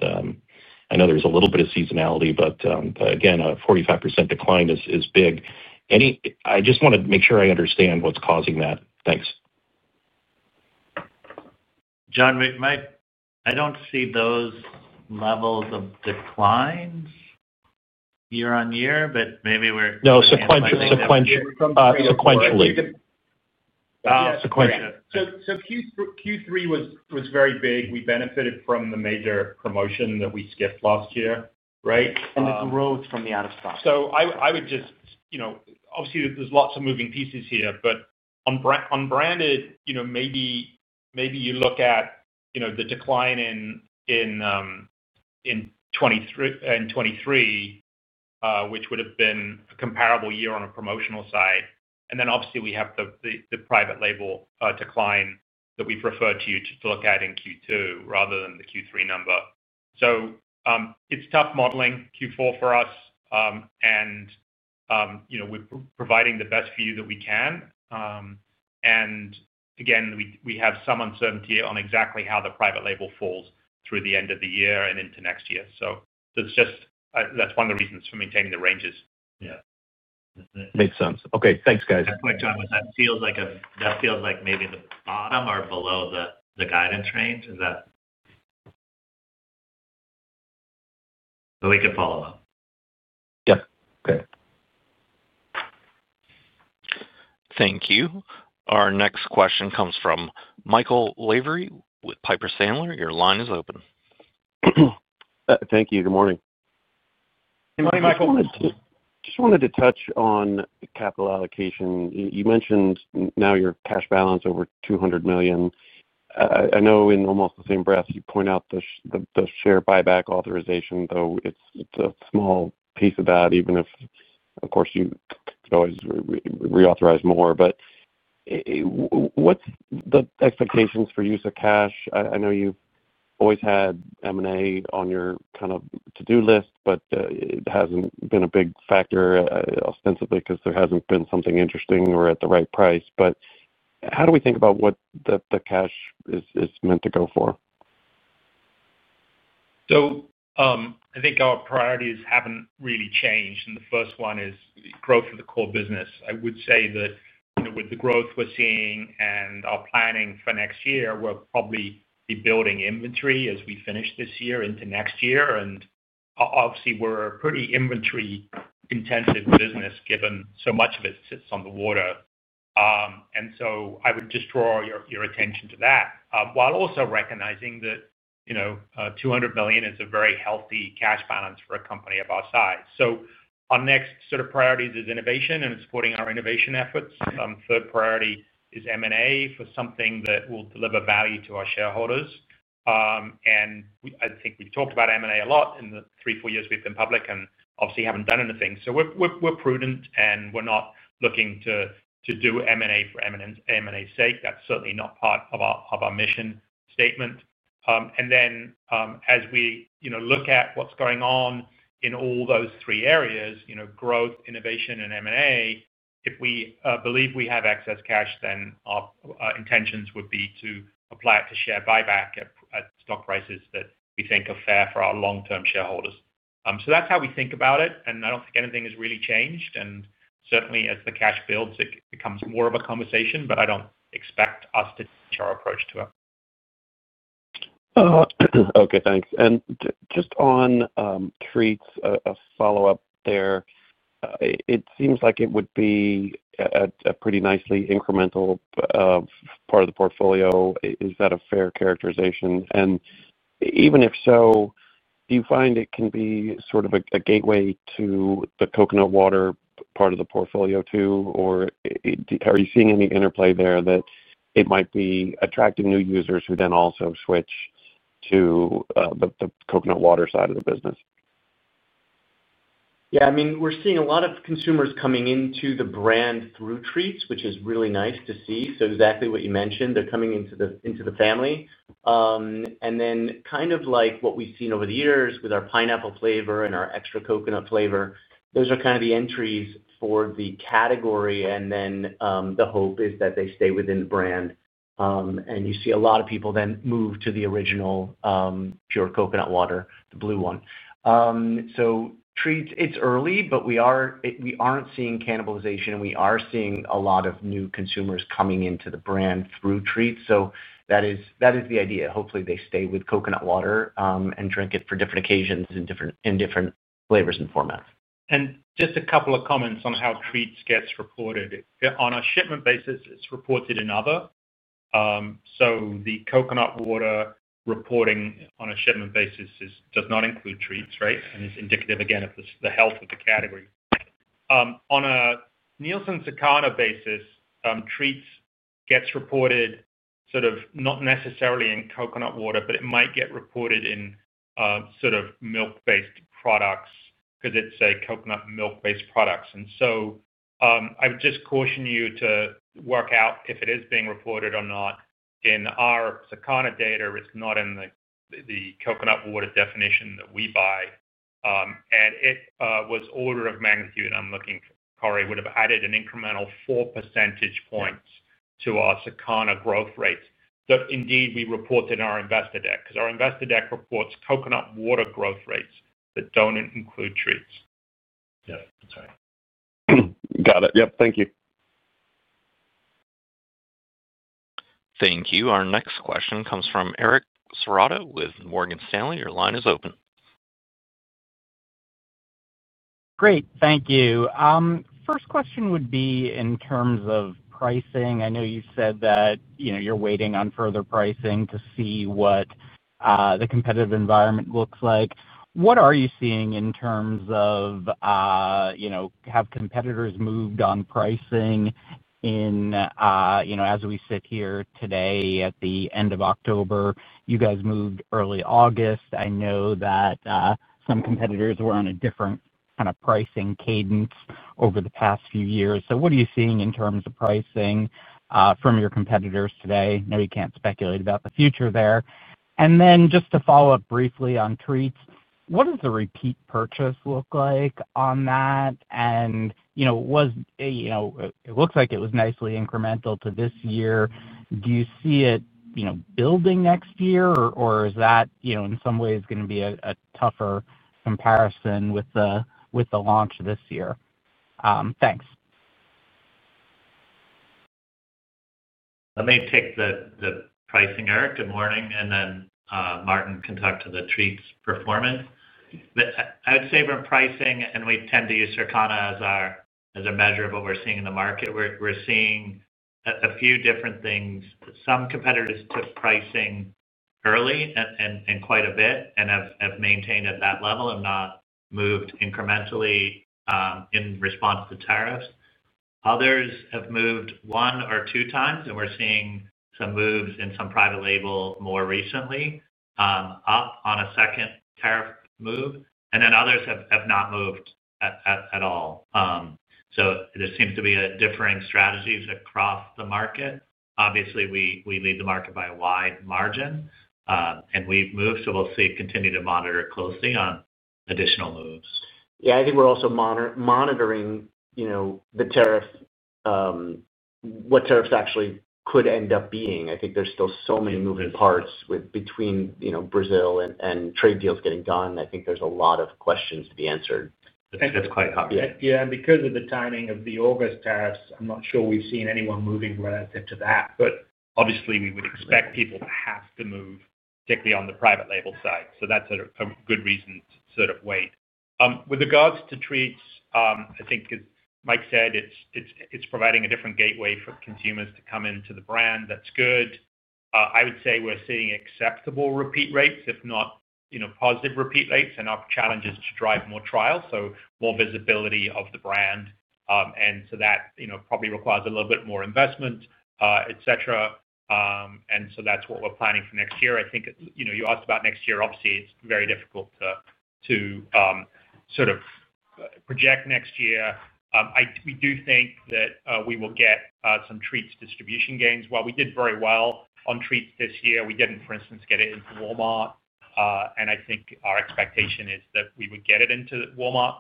Speaker 10: I know there's a little bit of seasonality, but again, a 45% decline is big. I just want to make sure I understand what's causing that. Thanks.
Speaker 5: Jon, Mike, I don't see those levels of declines year on year, but maybe we're sequentially.
Speaker 3: No, sequentially.
Speaker 5: Yeah, sequentially.
Speaker 3: Q3 was very big. We benefited from the major promotion that we skipped last year, right?
Speaker 5: Growth from the out-of-stock.
Speaker 4: Obviously, there's lots of moving pieces here, but on branded, maybe you look at the decline in 2023, which would have been a comparable year on a promotional side. We have the private label decline that we've referred to you to look at in Q2 rather than the Q3 number. It's tough modeling Q4 for us. We're providing the best view that we can. We have some uncertainty on exactly how the private label falls through the end of the year and into next year. That's one of the reasons for maintaining the ranges.
Speaker 10: Yeah, makes sense. Okay, thanks, guys.
Speaker 5: That's what I thought. That feels like maybe the bottom or below the guidance range. Is that right? We could follow up.
Speaker 10: Yep. Okay.
Speaker 1: Thank you. Our next question comes from Michael Scott Lavery with Piper Sandler & Co. Your line is open.
Speaker 11: Thank you. Good morning.
Speaker 4: Good morning, Michael.
Speaker 11: I just wanted to touch on capital allocation. You mentioned now your cash balance over $200 million. I know in almost the same breath, you point out the share buyback authorization, though it's a small piece of that, even if, of course, you could always reauthorize more. What's the expectations for use of cash? I know you've always had M&A on your kind of to-do list, but it hasn't been a big factor ostensibly because there hasn't been something interesting or at the right price. How do we think about what the cash is meant to go for?
Speaker 4: I think our priorities haven't really changed. The first one is growth of the core business. I would say that, with the growth we're seeing and our planning for next year, we'll probably be building inventory as we finish this year into next year. Obviously, we're a pretty inventory-intensive business given so much of it sits on the water. I would just draw your attention to that while also recognizing that $200 million is a very healthy cash balance for a company of our size. Our next set of priorities is innovation and supporting our innovation efforts. The third priority is M&A for something that will deliver value to our shareholders. I think we've talked about M&A a lot in the three, four years we've been public and obviously haven't done anything. We're prudent and we're not looking to do M&A for M&A's sake. That's certainly not part of our mission statement. As we look at what's going on in all those three areas, growth, innovation, and M&A, if we believe we have excess cash, then our intentions would be to apply it to share buyback at stock prices that we think are fair for our long-term shareholders. That's how we think about it. I don't think anything has really changed. Certainly, as the cash builds, it becomes more of a conversation, but I don't expect us to change our approach to it.
Speaker 11: Okay, thanks. Just on treats, a follow-up there. It seems like it would be a pretty nicely incremental part of the portfolio. Is that a fair characterization? Even if so, do you find it can be sort of a gateway to the coconut water part of the portfolio too? Are you seeing any interplay there that it might be attracting new users who then also switch to the coconut water side of the business?
Speaker 3: Yeah, I mean, we're seeing a lot of consumers coming into the brand through Vita Coco Treats, which is really nice to see. Exactly what you mentioned, they're coming into the family. Kind of like what we've seen over the years with our pineapple flavor and our extra coconut flavor, those are kind of the entries for the category. The hope is that they stay within the brand. You see a lot of people then move to the original pure coconut water, the blue one. Vita Coco Treats, it's early, but we aren't seeing cannibalization, and we are seeing a lot of new consumers coming into the brand through Vita Coco Treats. That is the idea. Hopefully, they stay with coconut water and drink it for different occasions in different flavors and formats.
Speaker 4: A couple of comments on how treats get reported. On a shipment basis, it's reported in other. The coconut water reporting on a shipment basis does not include treats, right? It's indicative, again, of the health of the category. On a Nielsen-Ciccana basis, treats get reported sort of not necessarily in coconut water, but it might get reported in sort of milk-based products because it's a coconut milk-based product. I would just caution you to work out if it is being reported or not. In our Ciccana data, it's not in the coconut water definition that we buy. It was order of magnitude, and I'm looking for Corey, would have added an incremental 4% to our Ciccana growth rates. Indeed, we reported our investor deck because our investor deck reports coconut water growth rates that don't include treats.
Speaker 11: That's right. Got it. Yep. Thank you.
Speaker 1: Thank you. Our next question comes from Eric Serotta with Morgan Stanley. Your line is open.
Speaker 12: Great. Thank you. First question would be in terms of pricing. I know you said that you're waiting on further pricing to see what the competitive environment looks like. What are you seeing in terms of, you know, have competitors moved on pricing in, you know, as we sit here today at the end of October? You guys moved early August. I know that some competitors were on a different kind of pricing cadence over the past few years. What are you seeing in terms of pricing from your competitors today? I know you can't speculate about the future there. Just to follow up briefly on treats, what does the repeat purchase look like on that? It looks like it was nicely incremental to this year. Do you see it building next year, or is that in some ways going to be a tougher comparison with the launch this year? Thanks.
Speaker 5: Let me take the pricing, Eric. Good morning. Martin can talk to the treats performance. I would say from pricing, and we tend to use Circana as our measure of what we're seeing in the market, we're seeing a few different things. Some competitors took pricing early and quite a bit and have maintained at that level and not moved incrementally in response to tariffs. Others have moved one or two times, and we're seeing some moves in some private label more recently, up on a second tariff move. Others have not moved at all. There seem to be differing strategies across the market. Obviously, we lead the market by a wide margin, and we've moved. We'll continue to monitor closely on additional moves.
Speaker 4: Yeah, I think we're also monitoring the tariff, what tariffs actually could end up being. I think there's still so many moving parts between Brazil and trade deals getting done. I think there's a lot of questions to be answered.
Speaker 5: That's quite a hot fit.
Speaker 4: Yeah. Because of the timing of the August tariffs, I'm not sure we've seen anyone moving relative to that. Obviously, we would expect people to have to move, particularly on the private label side. That's a good reason to sort of wait. With regards to treats, I think, as Mike said, it's providing a different gateway for consumers to come into the brand. That's good. I would say we're seeing acceptable repeat rates, if not positive repeat rates, and our challenge is to drive more trials, so more visibility of the brand. That probably requires a little bit more investment, etc. That's what we're planning for next year. I think you asked about next year. Obviously, it's very difficult to sort of project next year. We do think that we will get some treats distribution gains. While we did very well on treats this year, we didn't, for instance, get it into Walmart. I think our expectation is that we would get it into Walmart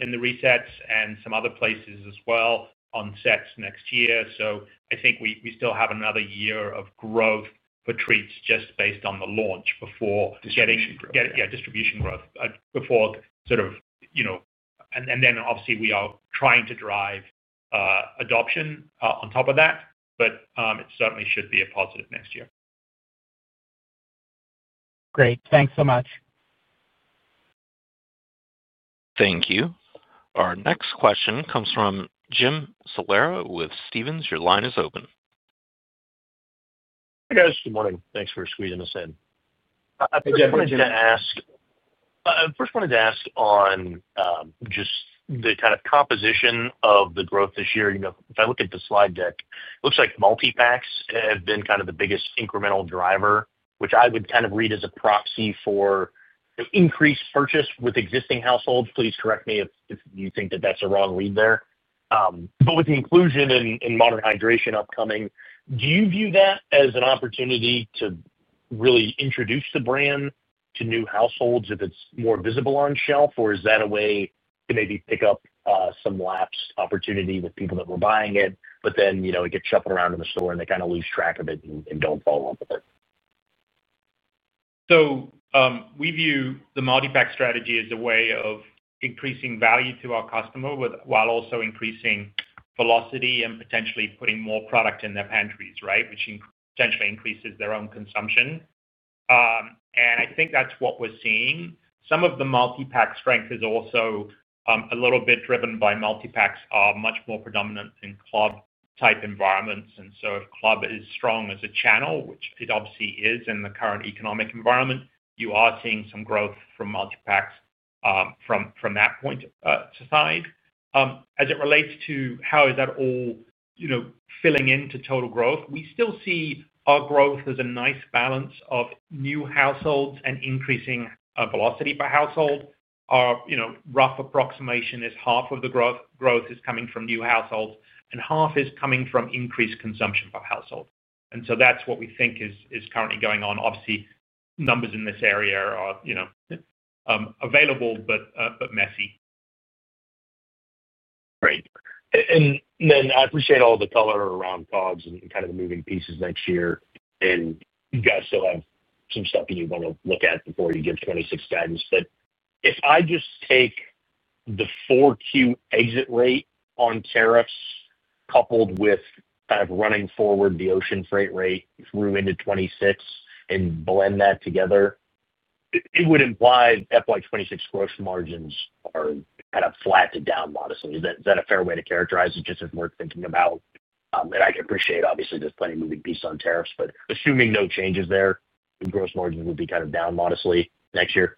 Speaker 4: in the resets and some other places as well on sets next year. I think we still have another year of growth for treats just based on the launch before getting.
Speaker 5: Distribution growth.
Speaker 4: Yeah, distribution growth before, you know, and then obviously we are trying to drive adoption on top of that. It certainly should be a positive next year.
Speaker 12: Great, thanks so much.
Speaker 1: Thank you. Our next question comes from James Ronald Salera with Stephens Inc. Your line is open.
Speaker 13: Hey, guys. Good morning. Thanks for squeezing us in. I just wanted to ask. First, I wanted to ask on just the kind of composition of the growth this year. You know, if I look at the slide deck, it looks like multipacks have been kind of the biggest incremental driver, which I would kind of read as a proxy for increased purchase with existing households. Please correct me if you think that that's a wrong read there. With the inclusion in modern hydration upcoming, do you view that as an opportunity to really introduce the brand to new households if it's more visible on shelf, or is that a way to maybe pick up some lapsed opportunity with people that were buying it, but then, you know, it gets shuffled around in the store and they kind of lose track of it and don't follow up with it?
Speaker 4: We view the multipack strategy as a way of increasing value to our customer while also increasing velocity and potentially putting more product in their pantries, right, which potentially increases their own consumption. I think that's what we're seeing. Some of the multipack strength is also a little bit driven by multipacks are much more predominant in club-type environments. If club is strong as a channel, which it obviously is in the current economic environment, you are seeing some growth from multipacks from that point to side. As it relates to how is that all, you know, filling into total growth, we still see our growth as a nice balance of new households and increasing velocity by household. Our, you know, rough approximation is half of the growth is coming from new households, and half is coming from increased consumption by household. That's what we think is currently going on. Obviously, numbers in this area are, you know, available, but messy.
Speaker 13: Great. I appreciate all the color around COGS and kind of the moving pieces next year. You guys still have some stuff you want to look at before you give 2026 guidance. If I just take the 4Q exit rate on tariffs coupled with kind of running forward the ocean freight rate through into 2026 and blend that together, it would imply that FY 2026 gross margins are kind of flat to down modestly. Is that a fair way to characterize it just as we're thinking about it? I can appreciate, obviously, there's plenty of moving pieces on tariffs, but assuming no changes there, the gross margins would be kind of down modestly next year?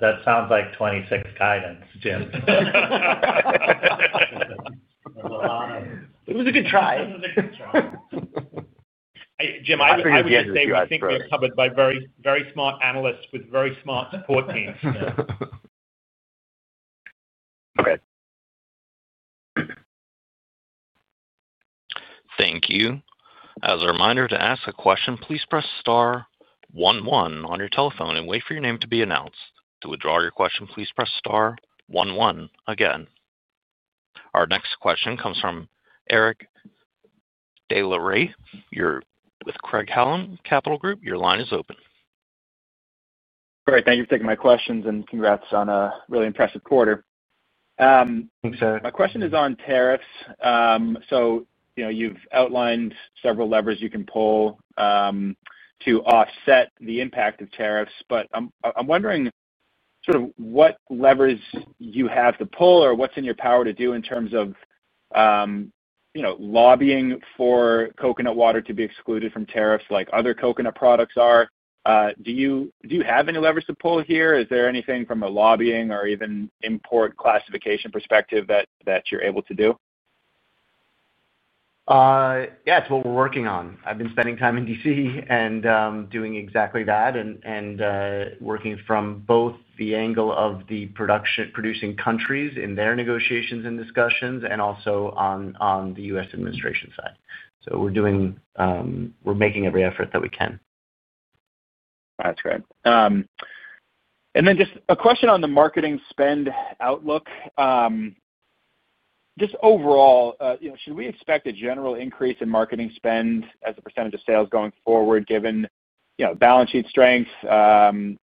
Speaker 5: That sounds like 2026 guidance, Jim.
Speaker 4: It was a good try.
Speaker 5: Jim.
Speaker 4: I would just say we think we're covered by very, very smart analysts with very smart support teams.
Speaker 5: Okay.
Speaker 1: Thank you. As a reminder, to ask a question, please press star one one on your telephone and wait for your name to be announced. To withdraw your question, please press star one one again. Our next question comes from Eric Des Lauriers. You're with Craig-Hallum Capital Group LLC. Your line is open.
Speaker 14: Great. Thank you for taking my questions, and congrats on a really impressive quarter.
Speaker 5: Thanks, sir.
Speaker 14: My question is on tariffs. You've outlined several levers you can pull to offset the impact of tariffs, but I'm wondering what levers you have to pull or what's in your power to do in terms of lobbying for coconut water to be excluded from tariffs like other coconut products are. Do you have any levers to pull here? Is there anything from a lobbying or even import classification perspective that you're able to do?
Speaker 5: Yeah, it's what we're working on. I've been spending time in D.C. and doing exactly that, working from both the angle of the production-producing countries in their negotiations and discussions and also on the U.S. administration side. We're making every effort that we can.
Speaker 14: That's great. Just a question on the marketing spend outlook. Overall, should we expect a general increase in marketing spend as a percentage of sales going forward given balance sheet strength,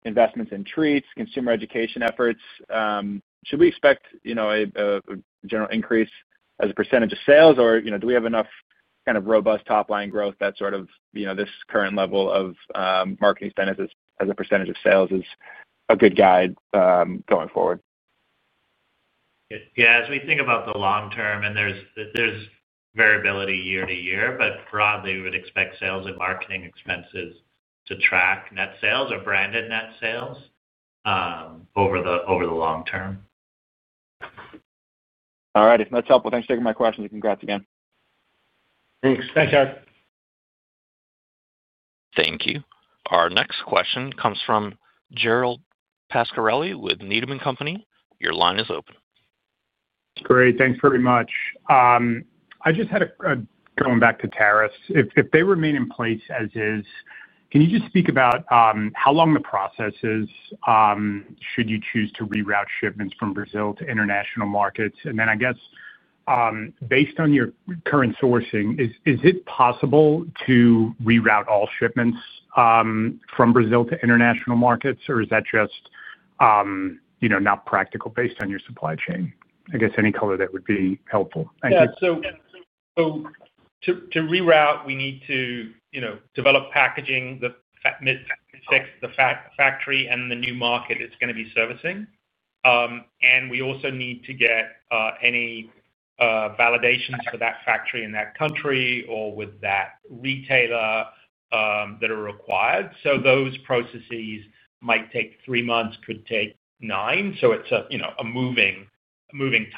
Speaker 14: investments in treats, consumer education efforts? Should we expect a general increase as a percentage of sales, or do we have enough kind of robust top-line growth that this current level of marketing spend as a percentage of sales is a good guide going forward?
Speaker 5: As we think about the long term, and there's variability year to year, but broadly, we would expect sales and marketing expenses to track net sales or branded net sales over the long term.
Speaker 14: All righty. That's helpful. Thanks for taking my questions. Congrats again.
Speaker 4: Thanks, Eric.
Speaker 1: Thank you. Our next question comes from Gerald Pascarelli with Needham & Company. Your line is open.
Speaker 15: Great. Thanks very much. I just had a, going back to tariffs, if they remain in place as is, would. Can you just speak about how long the process is, should you choose to reroute shipments from Brazil to international markets? Based on your current sourcing, is it possible to reroute all shipments from Brazil to international markets, or is that just not practical based on your supply chain? Any color that would be helpful.
Speaker 5: Yeah. To reroute, we need to develop packaging that fits the factory and the new market it's going to be servicing. We also need to get any validations for that factory in that country or with that retailer that are required. Those processes might take three months, could take nine. It's a moving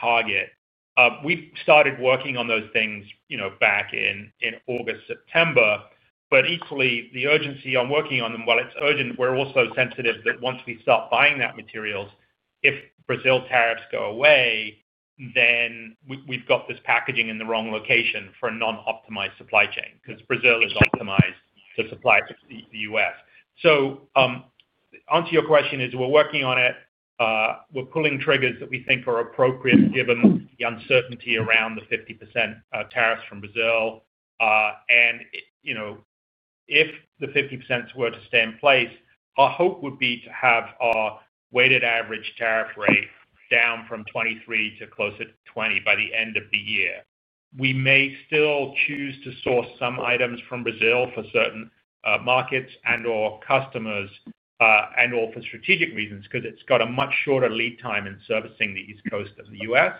Speaker 5: target. We've started working on those things back in August, September. The urgency on working on them, it's urgent. We're also sensitive that once we stop buying that material, if Brazil tariffs go away, then we've got this packaging in the wrong location for a non-optimized supply chain because Brazil is optimized to supply the U.S. To answer your question, we're working on it. We're pulling triggers that we think are appropriate given the uncertainty around the 50% tariffs from Brazil. If the 50% were to stay in place, our hope would be to have our weighted average tariff rate down from 23% to close to 20% by the end of the year. We may still choose to source some items from Brazil for certain markets and/or customers, and/or for strategic reasons because it's got a much shorter lead time in servicing the East Coast of the U.S.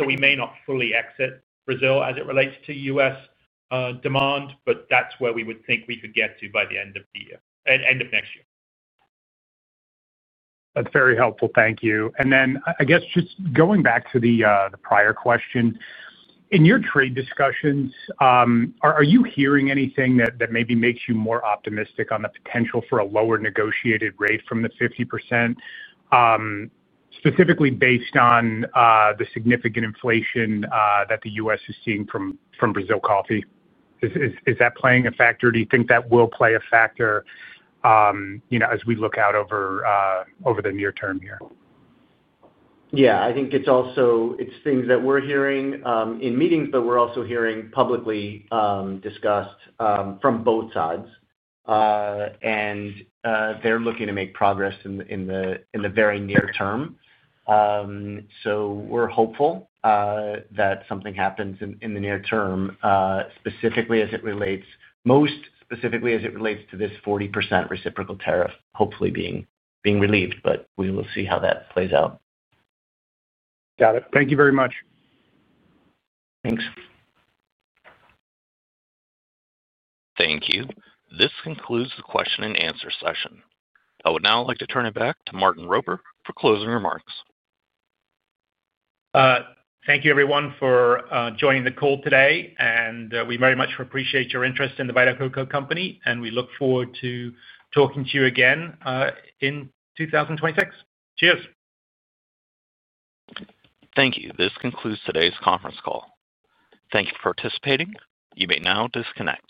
Speaker 5: We may not fully exit Brazil as it relates to U.S. demand, but that's where we would think we could get to by the end of the year, end of next year.
Speaker 15: That's very helpful. Thank you. Just going back to the prior question, in your trade discussions, are you hearing anything that maybe makes you more optimistic on the potential for a lower negotiated rate from the 50%, specifically based on the significant inflation that the U.S. is seeing from Brazil coffee? Is that playing a factor? Do you think that will play a factor as we look out over the near term here?
Speaker 4: Yeah. I think it's also things that we're hearing in meetings, but we're also hearing publicly discussed from both sides. They're looking to make progress in the very near term. We're hopeful that something happens in the near term, specifically as it relates most specifically as it relates to this 40% reciprocal tariff hopefully being relieved. We will see how that plays out.
Speaker 15: Got it. Thank you very much.
Speaker 4: Thanks.
Speaker 1: Thank you. This concludes the question-and-answer session. I would now like to turn it back to Martin Roper for closing remarks.
Speaker 4: Thank you, everyone, for joining the call today. We very much appreciate your interest in The Vita Coco Company, and we look forward to talking to you again in 2026. Cheers.
Speaker 1: Thank you. This concludes today's conference call. Thank you for participating. You may now disconnect.